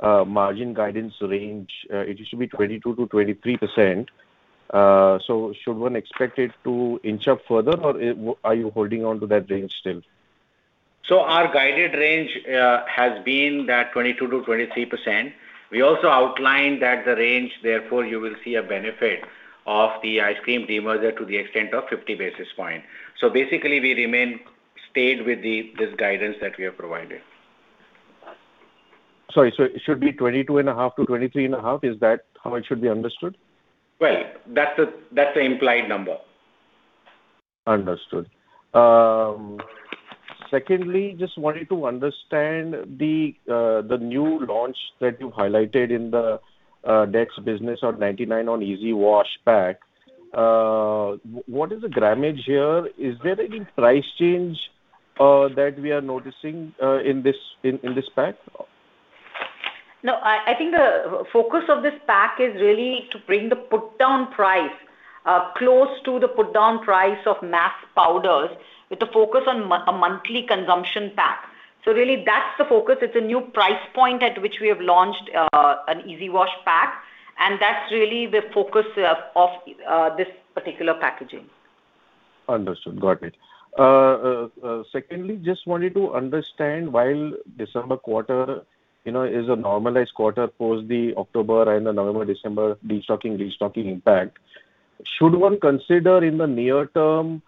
margin guidance range? It used to be 22%-23%. So should one expect it to inch up further, or are you holding on to that range still? So our guided range has been that 22%-23%. We also outlined that the range, therefore, you will see a benefit of the ice cream demerger to the extent of 50 basis points. So basically, we remain stayed with the, this guidance that we have provided. Sorry, so it should be 22.5-23.5? Is that how it should be understood? Well, that's the, that's the implied number. Understood. Secondly, just wanted to understand the new launch that you highlighted in the Dets business or 99 on Easy Wash pack. What is the grammage here? Is there any price change that we are noticing in this pack? No, I, I think the focus of this pack is really to bring the put-down price close to the put-down price of mass powders, with a focus on a monthly consumption pack. So really, that's the focus. It's a new price point at which we have launched an Easy Wash pack, and that's really the focus of this particular packaging. Understood. Got it. Secondly, just wanted to understand, while December quarter, you know, is a normalized quarter post the October and the November, December, destocking, restocking impact, should one consider in the near term,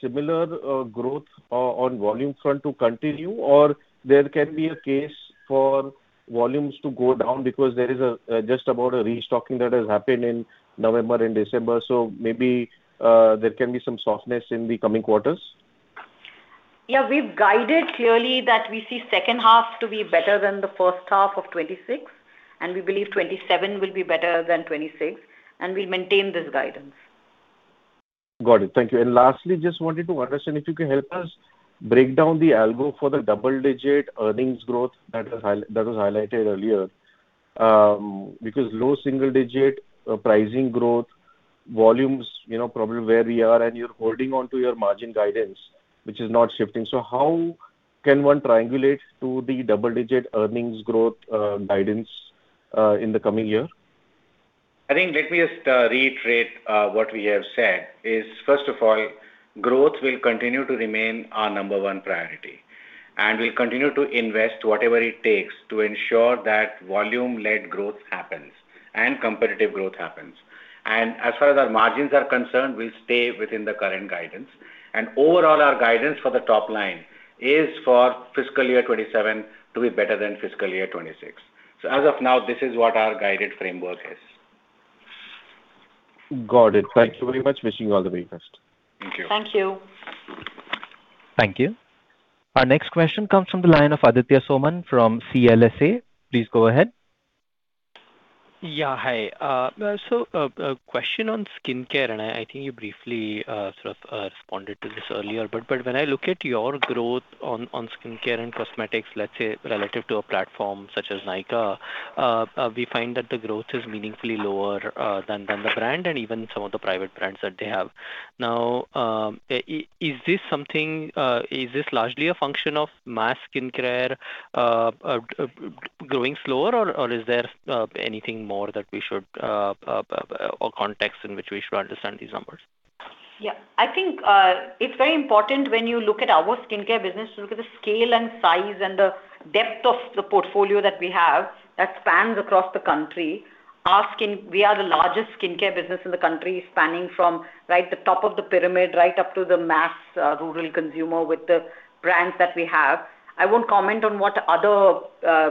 similar growth on volume front to continue, or there can be a case for volumes to go down because there is a just about a restocking that has happened in November and December, so maybe there can be some softness in the coming quarters? Yeah, we've guided clearly that we see second half to be better than the first half of 2026, and we believe 2027 will be better than 2026, and we'll maintain this guidance. Got it. Thank you. And lastly, just wanted to understand, if you can help us break down the algo for the double-digit earnings growth that was highlighted earlier. Because low single-digit pricing growth, volumes, you know, probably where we are, and you're holding on to your margin guidance, which is not shifting. So how can one triangulate to the double-digit earnings growth guidance in the coming year? I think let me just reiterate what we have said is, first of all, growth will continue to remain our number one priority, and we'll continue to invest whatever it takes to ensure that volume-led growth happens and competitive growth happens. And as far as our margins are concerned, we'll stay within the current guidance. And overall, our guidance for the top line is for fiscal year 2027 to be better than fiscal year 2026. So as of now, this is what our guided framework is. Got it. Great. Thank you very much. Wishing you all the very best. Thank you. Thank you. Thank you. Our next question comes from the line of Aditya Soman from CLSA. Please go ahead. Yeah, hi. So, a question on skincare, and I think you briefly sort of responded to this earlier. But when I look at your growth on skincare and cosmetics, let's say, relative to a platform such as Nykaa, we find that the growth is meaningfully lower than the brand and even some of the private brands that they have. Now, is this something... Is this largely a function of mass skincare growing slower? Or is there anything more that we should or context in which we should understand these numbers? Yeah. I think it's very important when you look at our skincare business to look at the scale and size and the depth of the portfolio that we have that spans across the country. We are the largest skincare business in the country, spanning from right the top of the pyramid, right up to the mass rural consumer, with the brands that we have. I won't comment on what other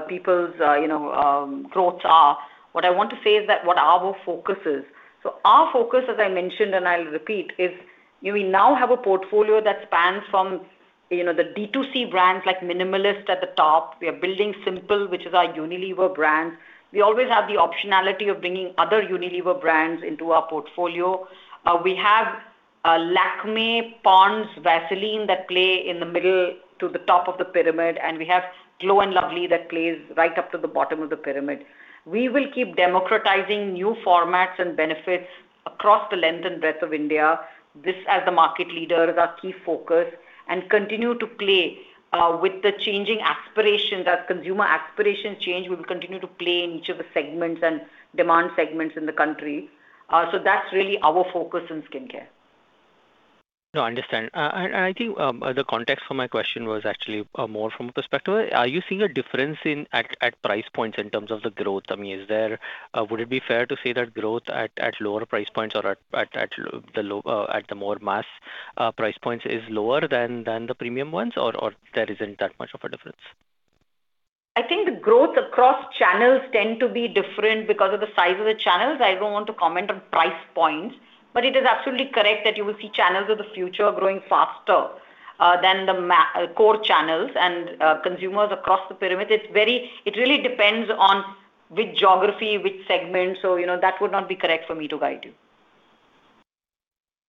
people's, you know, growths are. What I want to say is that what our focus is. So our focus, as I mentioned, and I'll repeat, is we now have a portfolio that spans from, you know, the D2C brands like Minimalist at the top. We are building Simple, which is our Unilever brand. We always have the optionality of bringing other Unilever brands into our portfolio. We have Lakmé, Ponds, Vaseline that play in the middle to the top of the pyramid, and we have Glow & Lovely that plays right up to the bottom of the pyramid. We will keep democratizing new formats and benefits across the length and breadth of India. This, as the market leader, is our key focus, and continue to play with the changing aspiration. That consumer aspirations change, we will continue to play in each of the segments and demand segments in the country. So that's really our focus in skincare. No, I understand. And I think the context for my question was actually more from a perspective. Are you seeing a difference in price points in terms of the growth? I mean, is there... Would it be fair to say that growth at lower price points or at the more mass price points is lower than the premium ones, or there isn't that much of a difference? I think the growth across channels tend to be different because of the size of the channels. I don't want to comment on price points, but it is absolutely correct that you will see channels of the future growing faster than the core channels and consumers across the pyramid. It really depends on which geography, which segment, so, you know, that would not be correct for me to guide you.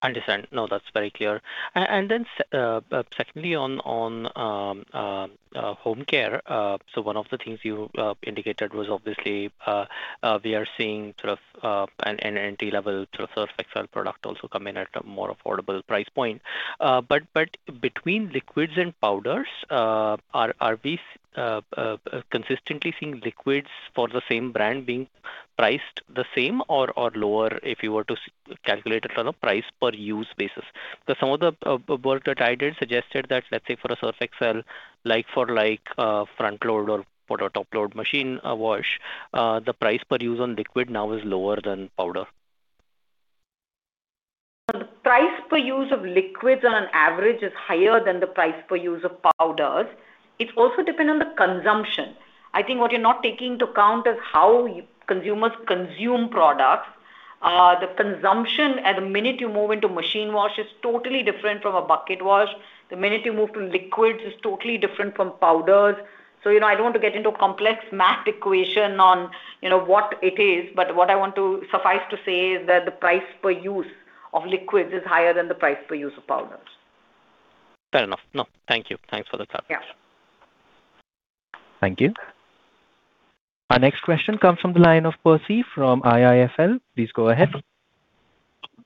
Understand. No, that's very clear. Secondly, on home care, so one of the things you indicated was obviously we are seeing sort of an entry-level sort of Surf Excel product also come in at a more affordable price point. But between liquids and powders, are we consistently seeing liquids for the same brand being priced the same or lower if you were to calculate it on a price per use basis? Because some of the work that I did suggested that, let's say, for a Surf Excel, like for like, front loader or top load machine wash, the price per use on liquid now is lower than powder. The price per use of liquids on an average is higher than the price per use of powders. It also depends on the consumption. I think what you're not taking into account is how consumers consume products. The consumption and the minute you move into machine wash, is totally different from a bucket wash. The minute you move to liquids, is totally different from powders. So, you know, I don't want to get into a complex math equation on, you know, what it is, but what I want to suffice to say is that the price per use of liquids is higher than the price per use of powders. Fair enough. No, thank you. Thanks for the clarification. Yeah. Thank you. Our next question comes from the line of Percy from IIFL. Please go ahead.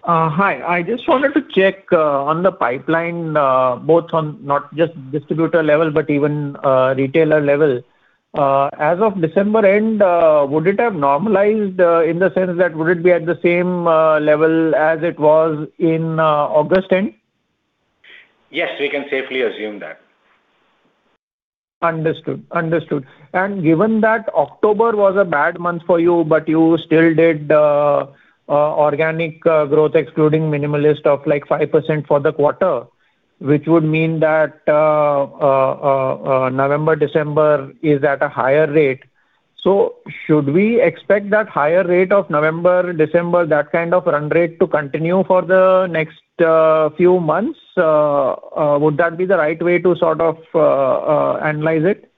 Hi. I just wanted to check on the pipeline, both on not just distributor level, but even retailer level. As of December end, would it have normalized in the sense that would it be at the same level as it was in August end? Yes, we can safely assume that. Understood. Understood. And given that October was a bad month for you, but you still did organic growth, excluding Minimalist of, like, 5% for the quarter, which would mean that November, December is at a higher rate. So should we expect that higher rate of November, December, that kind of run rate, to continue for the next few months? Would that be the right way to sort of analyze it?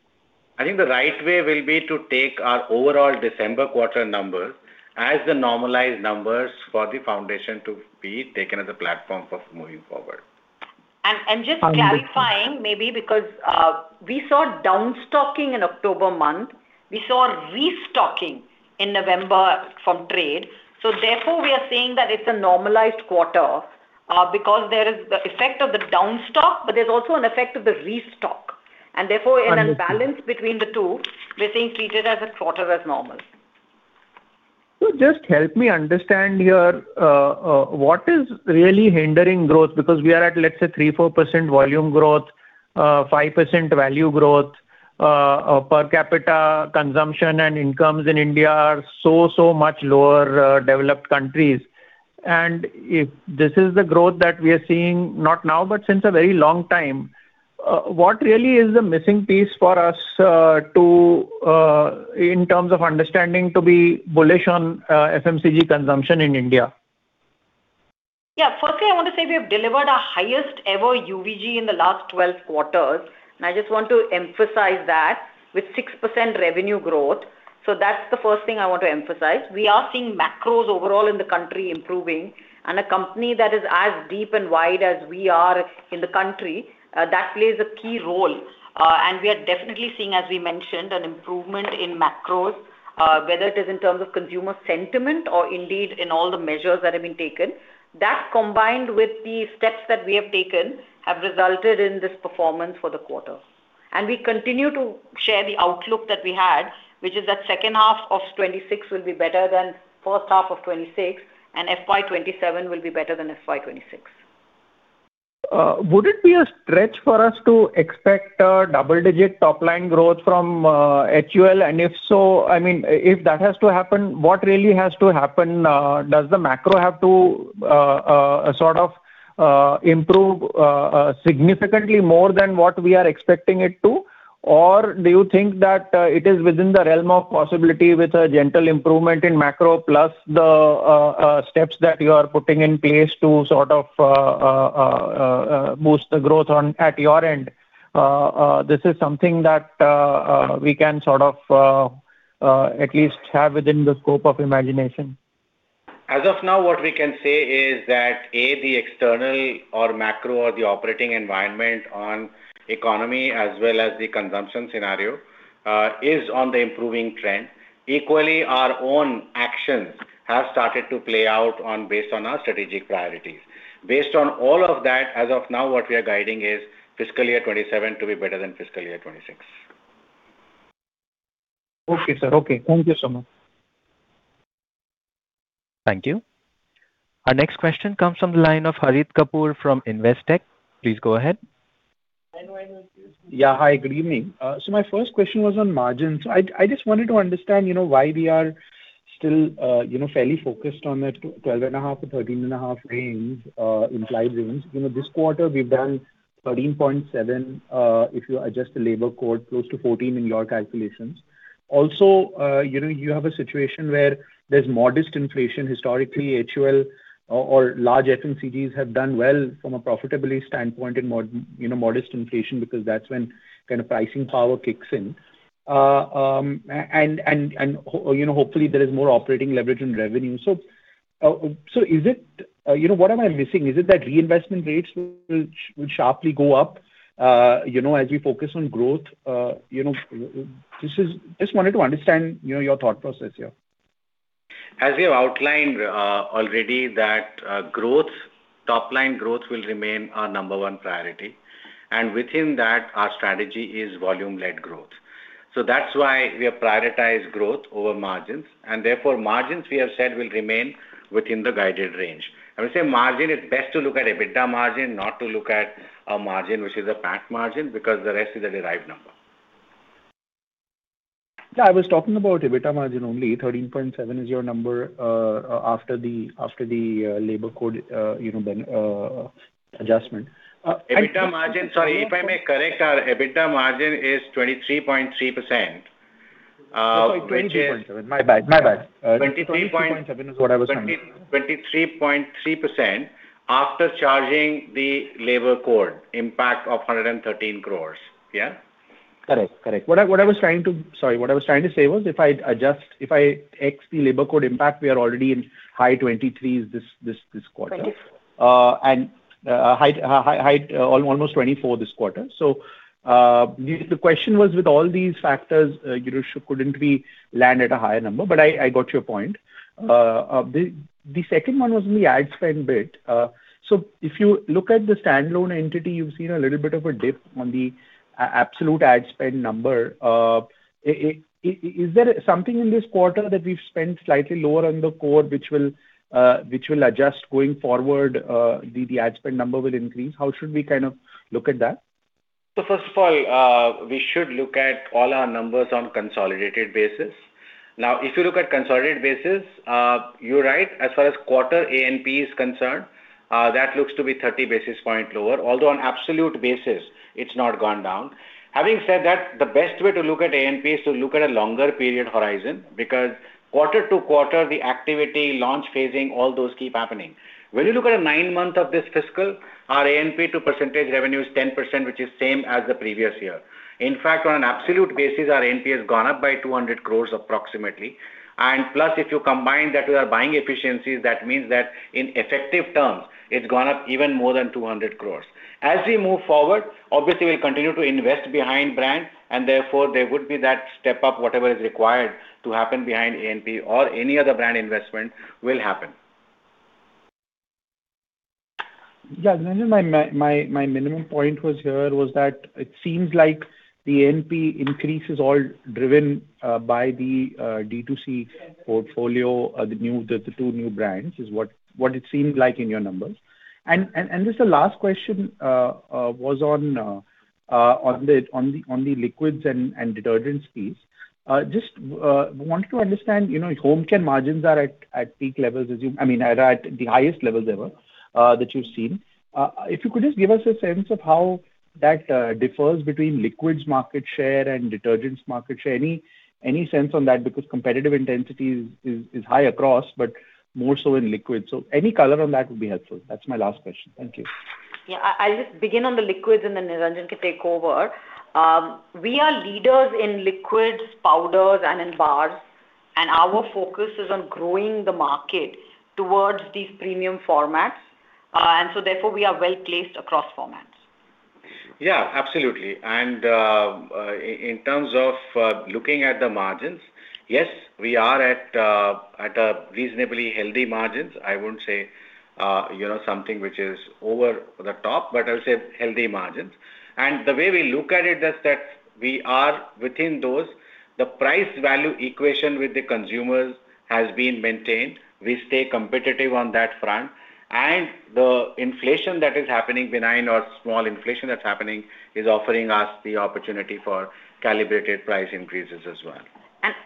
I think the right way will be to take our overall December quarter numbers as the normalized numbers for the foundation to be taken as a platform for moving forward. And just clarifying, maybe because we saw downstocking in October month. We saw restocking in November from trade, so therefore, we are saying that it's a normalized quarter, because there is the effect of the downstock, but there's also an effect of the restock. Understood. Therefore, in a balance between the two, we're seeing treated as a quarter as normal. So just help me understand here, what is really hindering growth, because we are at, let's say, 3-4% volume growth, 5% value growth, per capita consumption and incomes in India are so much lower developed countries. And if this is the growth that we are seeing, not now, but since a very long time, what really is the missing piece for us to in terms of understanding to be bullish on FMCG consumption in India? Yeah. Firstly, I want to say we have delivered our highest ever UVG in the last 12 quarters, and I just want to emphasize that with 6% revenue growth. So that's the first thing I want to emphasize. We are seeing macros overall in the country improving, and a company that is as deep and wide as we are in the country, that plays a key role. And we are definitely seeing, as we mentioned, an improvement in macros, whether it is in terms of consumer sentiment or indeed in all the measures that have been taken. That, combined with the steps that we have taken, have resulted in this performance for the quarter. We continue to share the outlook that we had, which is that second half of 2026 will be better than first half of 2026, and FY 2027 will be better than FY 2026. Would it be a stretch for us to expect a double-digit top-line growth from HUL? And if so, I mean, if that has to happen, what really has to happen? Does the macro have to sort of improve significantly more than what we are expecting it to? Or do you think that it is within the realm of possibility with a gentle improvement in macro, plus the steps that you are putting in place to sort of boost the growth on at your end? This is something that we can sort of at least have within the scope of imagination. As of now, what we can say is that, A, the external or macro or the operating environment on economy as well as the consumption scenario, is on the improving trend. Equally, our own actions have started to play out on based on our strategic priorities. Based on all of that, as of now, what we are guiding is fiscal year 2027 to be better than fiscal year 26. Okay, sir. Okay. Thank you so much. Thank you. Our next question comes from the line of Harit Kapoor from Investec. Please go ahead. ... Yeah. Hi, good evening. So my first question was on margins. I, I just wanted to understand, you know, why we are still, you know, fairly focused on the 12.5%-13.5% range, implied range. You know, this quarter we've done 13.7%, if you adjust the labor costs, close to 14% in your calculations. Also, you know, you have a situation where there's modest inflation. Historically, HUL or large FMCGs have done well from a profitability standpoint in modest inflation, because that's when kind of pricing power kicks in. And, you know, hopefully there is more operating leverage in revenue. So, so is it, you know, what am I missing? Is it that reinvestment rates will sharply go up, you know, as we focus on growth? Just wanted to understand, you know, your thought process here. As we have outlined already that growth, top-line growth will remain our number one priority, and within that, our strategy is volume-led growth. So that's why we have prioritized growth over margins, and therefore margins, we have said, will remain within the guided range. I would say margin, it's best to look at EBITDA margin, not to look at a margin, which is a PAT margin, because the rest is a derived number. Yeah, I was talking about EBITDA margin only. 13.7% is your number, after the labor code, you know, then adjustment. EBITDA margin... Sorry, if I may correct, our EBITDA margin is 23.3%, which is- Sorry, 23.7. My bad, my bad. 23. 23.7 is what I was trying to... 23.3% after charging the labor code impact of 113 crores. Yeah? Correct. What I was trying to say was, if I adjust, if I X the labor code impact, we are already in high 20s this quarter. 24 And high-teens, high-teens, almost 24 this quarter. So, the question was, with all these factors, you know, shouldn't we land at a higher number? But I got your point. The second one was on the ad spend bit. So if you look at the standalone entity, you've seen a little bit of a dip on the absolute ad spend number. Is there something in this quarter that we've spent slightly lower on the core, which will adjust going forward, the ad spend number will increase? How should we kind of look at that? First of all, we should look at all our numbers on a consolidated basis. Now, if you look at consolidated basis, you're right, as far as quarter ANP is concerned, that looks to be 30 basis points lower, although on absolute basis it's not gone down. Having said that, the best way to look at ANP is to look at a longer period horizon, because quarter to quarter, the activity, launch phasing, all those keep happening. When you look at a nine-month of this fiscal, our ANP to revenue is 10%, which is same as the previous year. In fact, on an absolute basis, our ANP has gone up by 200 crore approximately. And plus, if you combine that, we are buying efficiencies, that means that in effective terms, it's gone up even more than 200 crore. As we move forward, obviously, we'll continue to invest behind brand, and therefore there would be that step up. Whatever is required to happen behind ANP or any other brand investment will happen. Yeah. My minimum point was here, was that it seems like the ANP increase is all driven by the D2C portfolio, the new, the two new brands, is what it seemed like in your numbers. And just the last question was on the liquids and detergents piece. Just wanted to understand, you know, home care margins are at peak levels, as you... I mean, are at the highest levels ever, that you've seen. If you could just give us a sense of how that differs between liquids market share and detergents market share. Any sense on that? Because competitive intensity is high across, but more so in liquids. So any color on that would be helpful. That's my last question. Thank you. Yeah. I, I'll just begin on the liquids and then Niranjan can take over. We are leaders in liquids, powders, and in bars, and our focus is on growing the market towards these premium formats, and so therefore, we are well-placed across formats. Yeah, absolutely. And in terms of looking at the margins, yes, we are at a reasonably healthy margins. I wouldn't say, you know, something which is over the top, but I'll say healthy margins. And the way we look at it is that we are within those. The price value equation with the consumers has been maintained. We stay competitive on that front, and the inflation that is happening, benign or small inflation that's happening, is offering us the opportunity for calibrated price increases as well.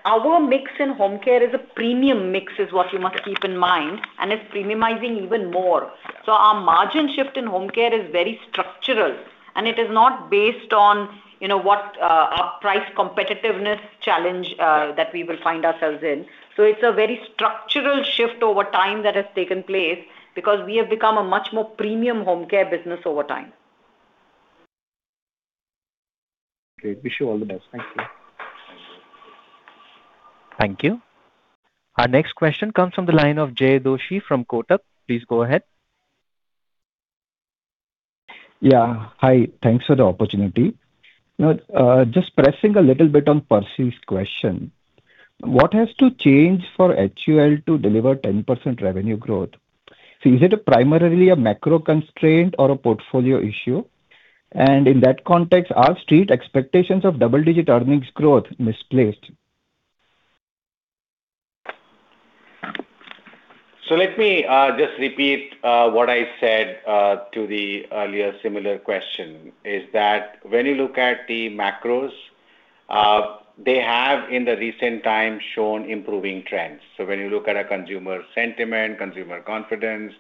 Our mix in Home Care is a premium mix, is what you must keep in mind, and it's premiumizing even more. Yeah. So our margin shift in home care is very structural, and it is not based on, you know, what, our price competitiveness challenge, Yeah... that we will find ourselves in. So it's a very structural shift over time that has taken place, because we have become a much more premium home care business over time. Great. Wish you all the best. Thank you. Thank you. Our next question comes from the line of Jay Doshi from Kotak. Please go ahead. Yeah. Hi, thanks for the opportunity. Now, just pressing a little bit on Percy's question. What has to change for HUL to deliver 10% revenue growth? So is it primarily a macro constraint or a portfolio issue? And in that context, are street expectations of double-digit earnings growth misplaced? ... So let me just repeat what I said to the earlier similar question, is that when you look at the macros, they have in the recent times shown improving trends. So when you look at a consumer sentiment, consumer confidence,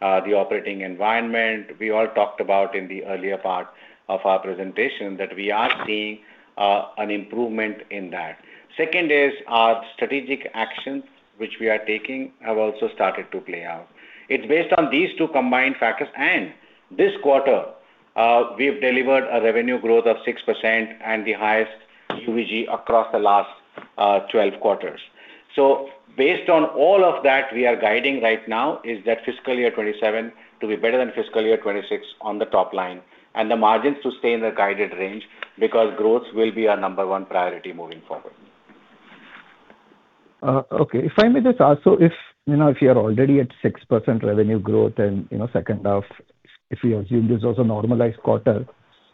the operating environment, we all talked about in the earlier part of our presentation that we are seeing an improvement in that. Second is our strategic actions, which we are taking, have also started to play out. It's based on these two combined factors, and this quarter, we've delivered a revenue growth of 6% and the highest UVG across the last 12 quarters. Based on all of that, we are guiding right now is that fiscal year 2027 to be better than fiscal year 2026 on the top line, and the margins to stay in the guided range, because growth will be our number one priority moving forward. Okay. If I may just ask, so if, you know, if you are already at 6% revenue growth and, you know, second half, if we assume this is also normalized quarter,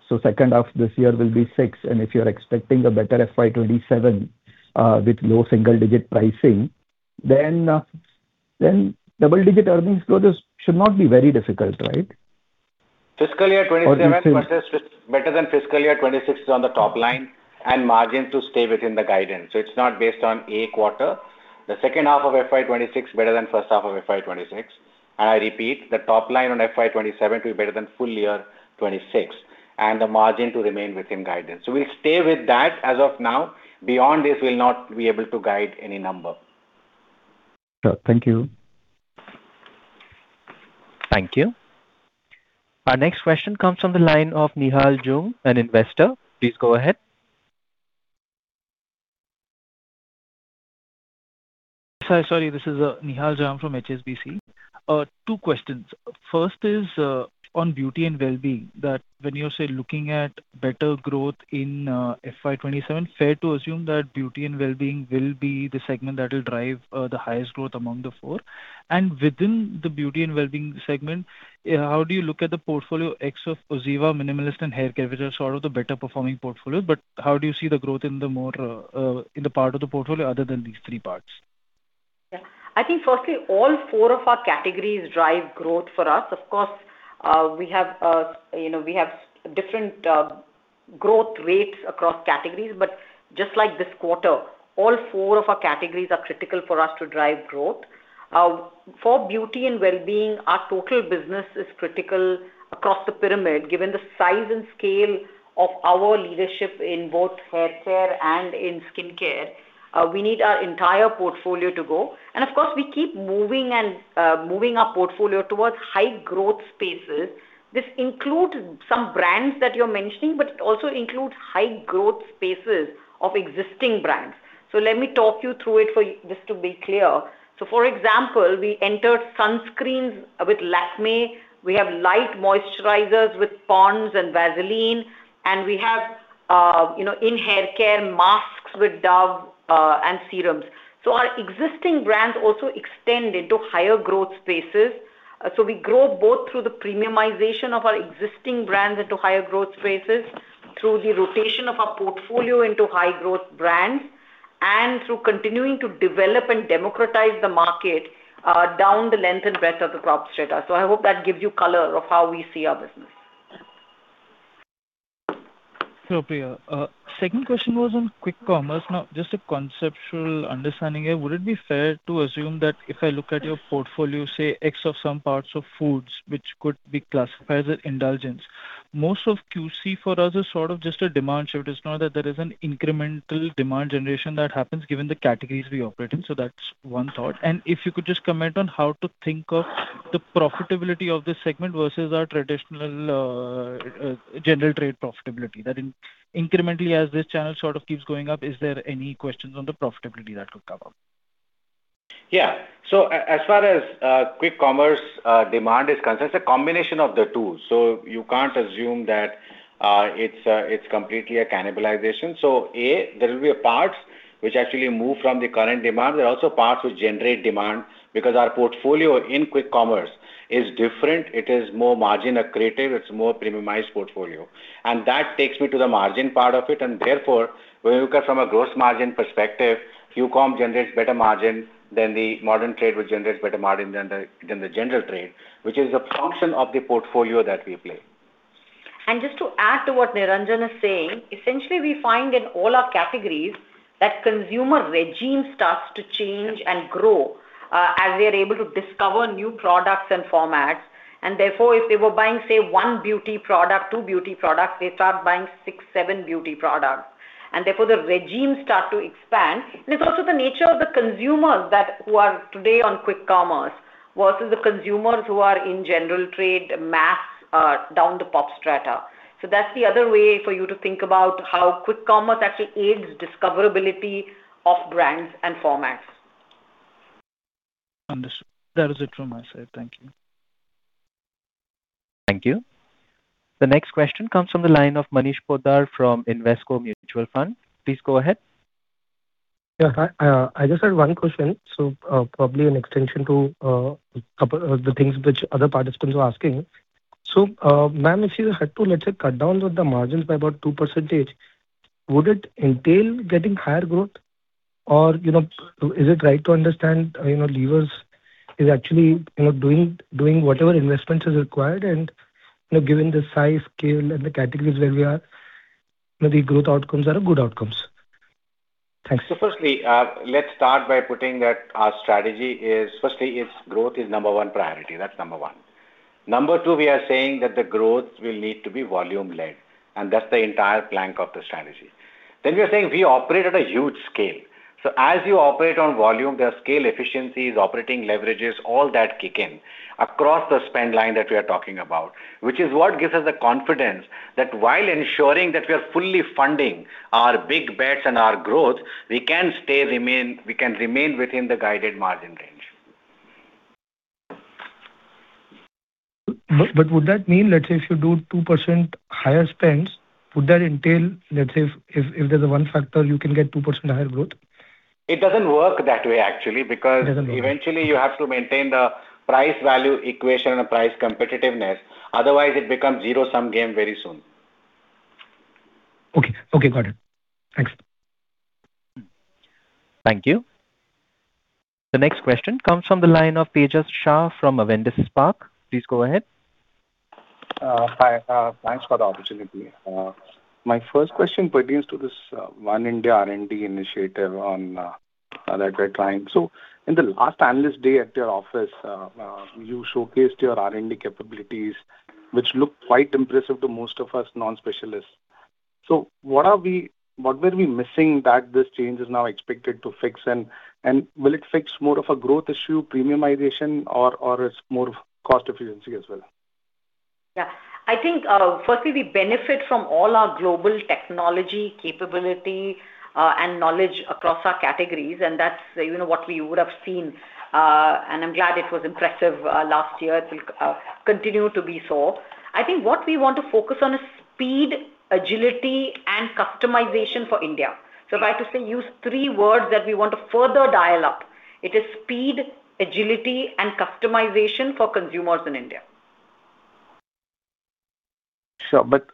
so second half this year will be six, and if you're expecting a better FY 2027, with low single-digit pricing, then, then double-digit earnings growth should not be very difficult, right? Fiscal year 2027- Or do you think- Better than fiscal year 2026 is on the top line and margin to stay within the guidance. So it's not based on a quarter. The second half of FY 2026 better than first half of FY 2026. And I repeat, the top line on FY 2027 to be better than full year 2026, and the margin to remain within guidance. So we'll stay with that as of now. Beyond this, we'll not be able to guide any number. Sure. Thank you. Thank you. Our next question comes from the line of Nihal Jham, an investor. Please go ahead. Sorry, sorry, this is Nihal Jham from HSBC. Two questions. First is on beauty and wellbeing, that when you say looking at better growth in FY 2027, fair to assume that beauty and wellbeing will be the segment that will drive the highest growth among the four? And within the beauty and wellbeing segment, how do you look at the portfolio X of OZiva, Minimalist and Hair Care, which are sort of the better performing portfolios, but how do you see the growth in the more in the part of the portfolio other than these three parts? Yeah. I think firstly, all four of our categories drive growth for us. Of course, we have, you know, we have different growth rates across categories, but just like this quarter, all four of our categories are critical for us to drive growth. For beauty and wellbeing, our total business is critical across the pyramid, given the size and scale of our leadership in both hair care and in skin care. We need our entire portfolio to go. And of course, we keep moving and moving our portfolio towards high growth spaces. This includes some brands that you're mentioning, but it also includes high growth spaces of existing brands. So let me talk you through it for you, just to be clear. So for example, we entered sunscreens with Lakmé. We have light moisturizers with Ponds and Vaseline, and we have, you know, in hair care, masks with Dove, and serums. So our existing brands also extend into higher growth spaces. So we grow both through the premiumization of our existing brands into higher growth spaces, through the rotation of our portfolio into high-growth brands, and through continuing to develop and democratize the market, down the length and breadth of the top strata. So I hope that gives you color of how we see our business. Hello, Priya. Second question was on quick commerce. Now, just a conceptual understanding here, would it be fair to assume that if I look at your portfolio, say, X of some parts of foods which could be classified as an indulgence, most of QC for us is sort of just a demand shift. It's not that there is an incremental demand generation that happens given the categories we operate in. So that's one thought. And if you could just comment on how to think of the profitability of this segment versus our traditional general trade profitability. That in, incrementally as this channel sort of keeps going up, is there any questions on the profitability that could come up? Yeah. So as far as quick commerce demand is concerned, it's a combination of the two. So you can't assume that it's completely a cannibalization. So A, there will be a part which actually move from the current demand. There are also parts which generate demand, because our portfolio in quick commerce is different. It is more margin accretive, it's more premiumized portfolio. And that takes me to the margin part of it, and therefore, when you look at from a gross margin perspective, Qcom generates better margin than the modern trade, which generates better margin than the general trade, which is a function of the portfolio that we play. And just to add to what Niranjan is saying, essentially, we find in all our categories that consumer regime starts to change and grow as we are able to discover new products and formats. And therefore, if they were buying, say, one beauty product, two beauty products, they start buying six, seven beauty products. And therefore, the regime start to expand. And it's also the nature of the consumers that—who are today on Quick Commerce versus the consumers who are in general trade, mass down the pop strata. So that's the other way for you to think about how Quick Commerce actually aids discoverability of brands and formats. Understood. That is it from my side. Thank you. Thank you. The next question comes from the line of Manish Poddar from Invesco Mutual Fund. Please go ahead. Yeah, hi. I just had one question, so probably an extension to a couple the things which other participants were asking. So, ma'am, if you had to, let's say, cut down on the margins by about two percentage-... Would it entail getting higher growth? Or, you know, is it right to understand, you know, levers is actually, you know, doing whatever investments is required and, you know, given the size, scale, and the categories where we are, you know, the growth outcomes are the good outcomes? Thanks. So firstly, let's start by putting that our strategy is, firstly, is growth is number one priority. That's number one. Number two, we are saying that the growth will need to be volume-led, and that's the entire plank of the strategy. Then we are saying we operate at a huge scale. So as you operate on volume, there are scale efficiencies, operating leverages, all that kick in across the spend line that we are talking about, which is what gives us the confidence that while ensuring that we are fully funding our big bets and our growth, we can remain within the guided margin range. But would that mean, let's say, if you do 2% higher spends, would that entail, let's say, if there's one factor, you can get 2% higher growth? It doesn't work that way, actually- It doesn't work. Because eventually you have to maintain the price-value equation and price competitiveness. Otherwise, it becomes zero-sum game very soon. Okay. Okay, got it. Thanks. Thank you. The next question comes from the line of Tejas Shah from Avendus Spark. Please go ahead. Hi, thanks for the opportunity. My first question pertains to this One India R&D initiative that we're trying. So in the last analyst day at your office, you showcased your R&D capabilities, which looked quite impressive to most of us non-specialists. So what were we missing that this change is now expected to fix? And will it fix more of a growth issue, premiumization, or it's more of cost efficiency as well? Yeah. I think, firstly, we benefit from all our global technology, capability, and knowledge across our categories, and that's, you know, what we would have seen. And I'm glad it was impressive last year. It will continue to be so. I think what we want to focus on is speed, agility, and customization for India. So if I was to use three words that we want to further dial up, it is speed, agility, and customization for consumers in India. Sure. But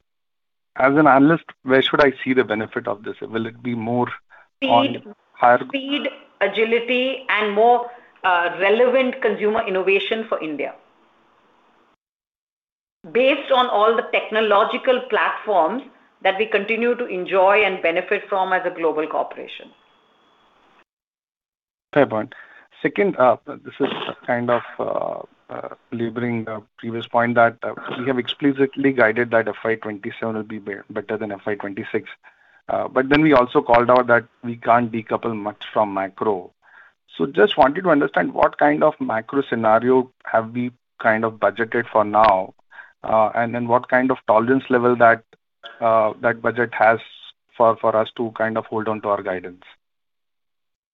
as an analyst, where should I see the benefit of this? Will it be more on higher- Speed, speed, agility, and more relevant consumer innovation for India. Based on all the technological platforms that we continue to enjoy and benefit from as a global corporation. Fair point. Second, this is kind of, laboring the previous point that we have explicitly guided that FY 2027 will be better than FY 2026. But then we also called out that we can't decouple much from macro. So just wanted to understand, what kind of macro scenario have we kind of budgeted for now? And then what kind of tolerance level that, that budget has for, for us to kind of hold on to our guidance?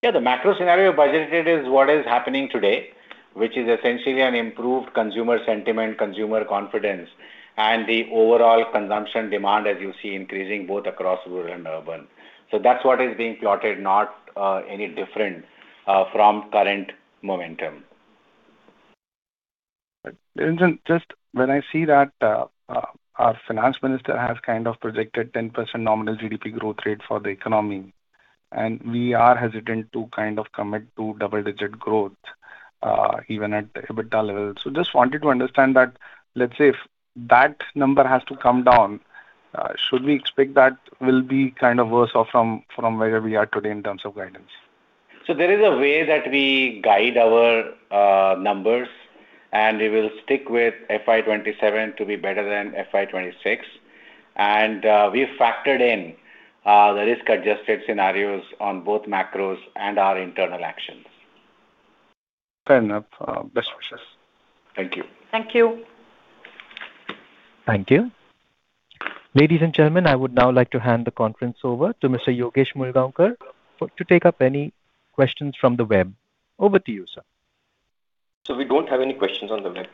Yeah, the macro scenario budgeted is what is happening today, which is essentially an improved consumer sentiment, consumer confidence, and the overall consumption demand, as you see, increasing both across rural and urban. So that's what is being plotted, not any different from current momentum. But isn't just... When I see that, our finance minister has kind of predicted 10% nominal GDP growth rate for the economy, and we are hesitant to kind of commit to double-digit growth, even at the EBITDA level. So just wanted to understand that, let's say, if that number has to come down, should we expect that we'll be kind of worse off from, from where we are today in terms of guidance? So there is a way that we guide our numbers, and we will stick with FY 2027 to be better than FY 2026. We've factored in the risk-adjusted scenarios on both macros and our internal actions. Fair enough. Best wishes. Thank you. Thank you. Thank you. Ladies and gentlemen, I would now like to hand the conference over to Mr. Yogesh Mulgaonkar to take up any questions from the web. Over to you, sir. So we don't have any questions on the web.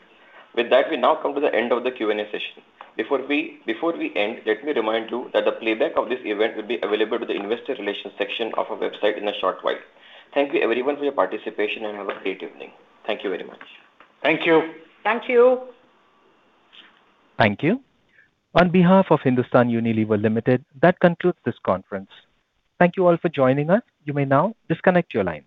With that, we now come to the end of the Q&A session. Before we end, let me remind you that the playback of this event will be available to the investor relations section of our website in a short while. Thank you, everyone, for your participation, and have a great evening. Thank you very much. Thank you. Thank you. Thank you. On behalf of Hindustan Unilever Limited, that concludes this conference. Thank you all for joining us. You may now disconnect your lines.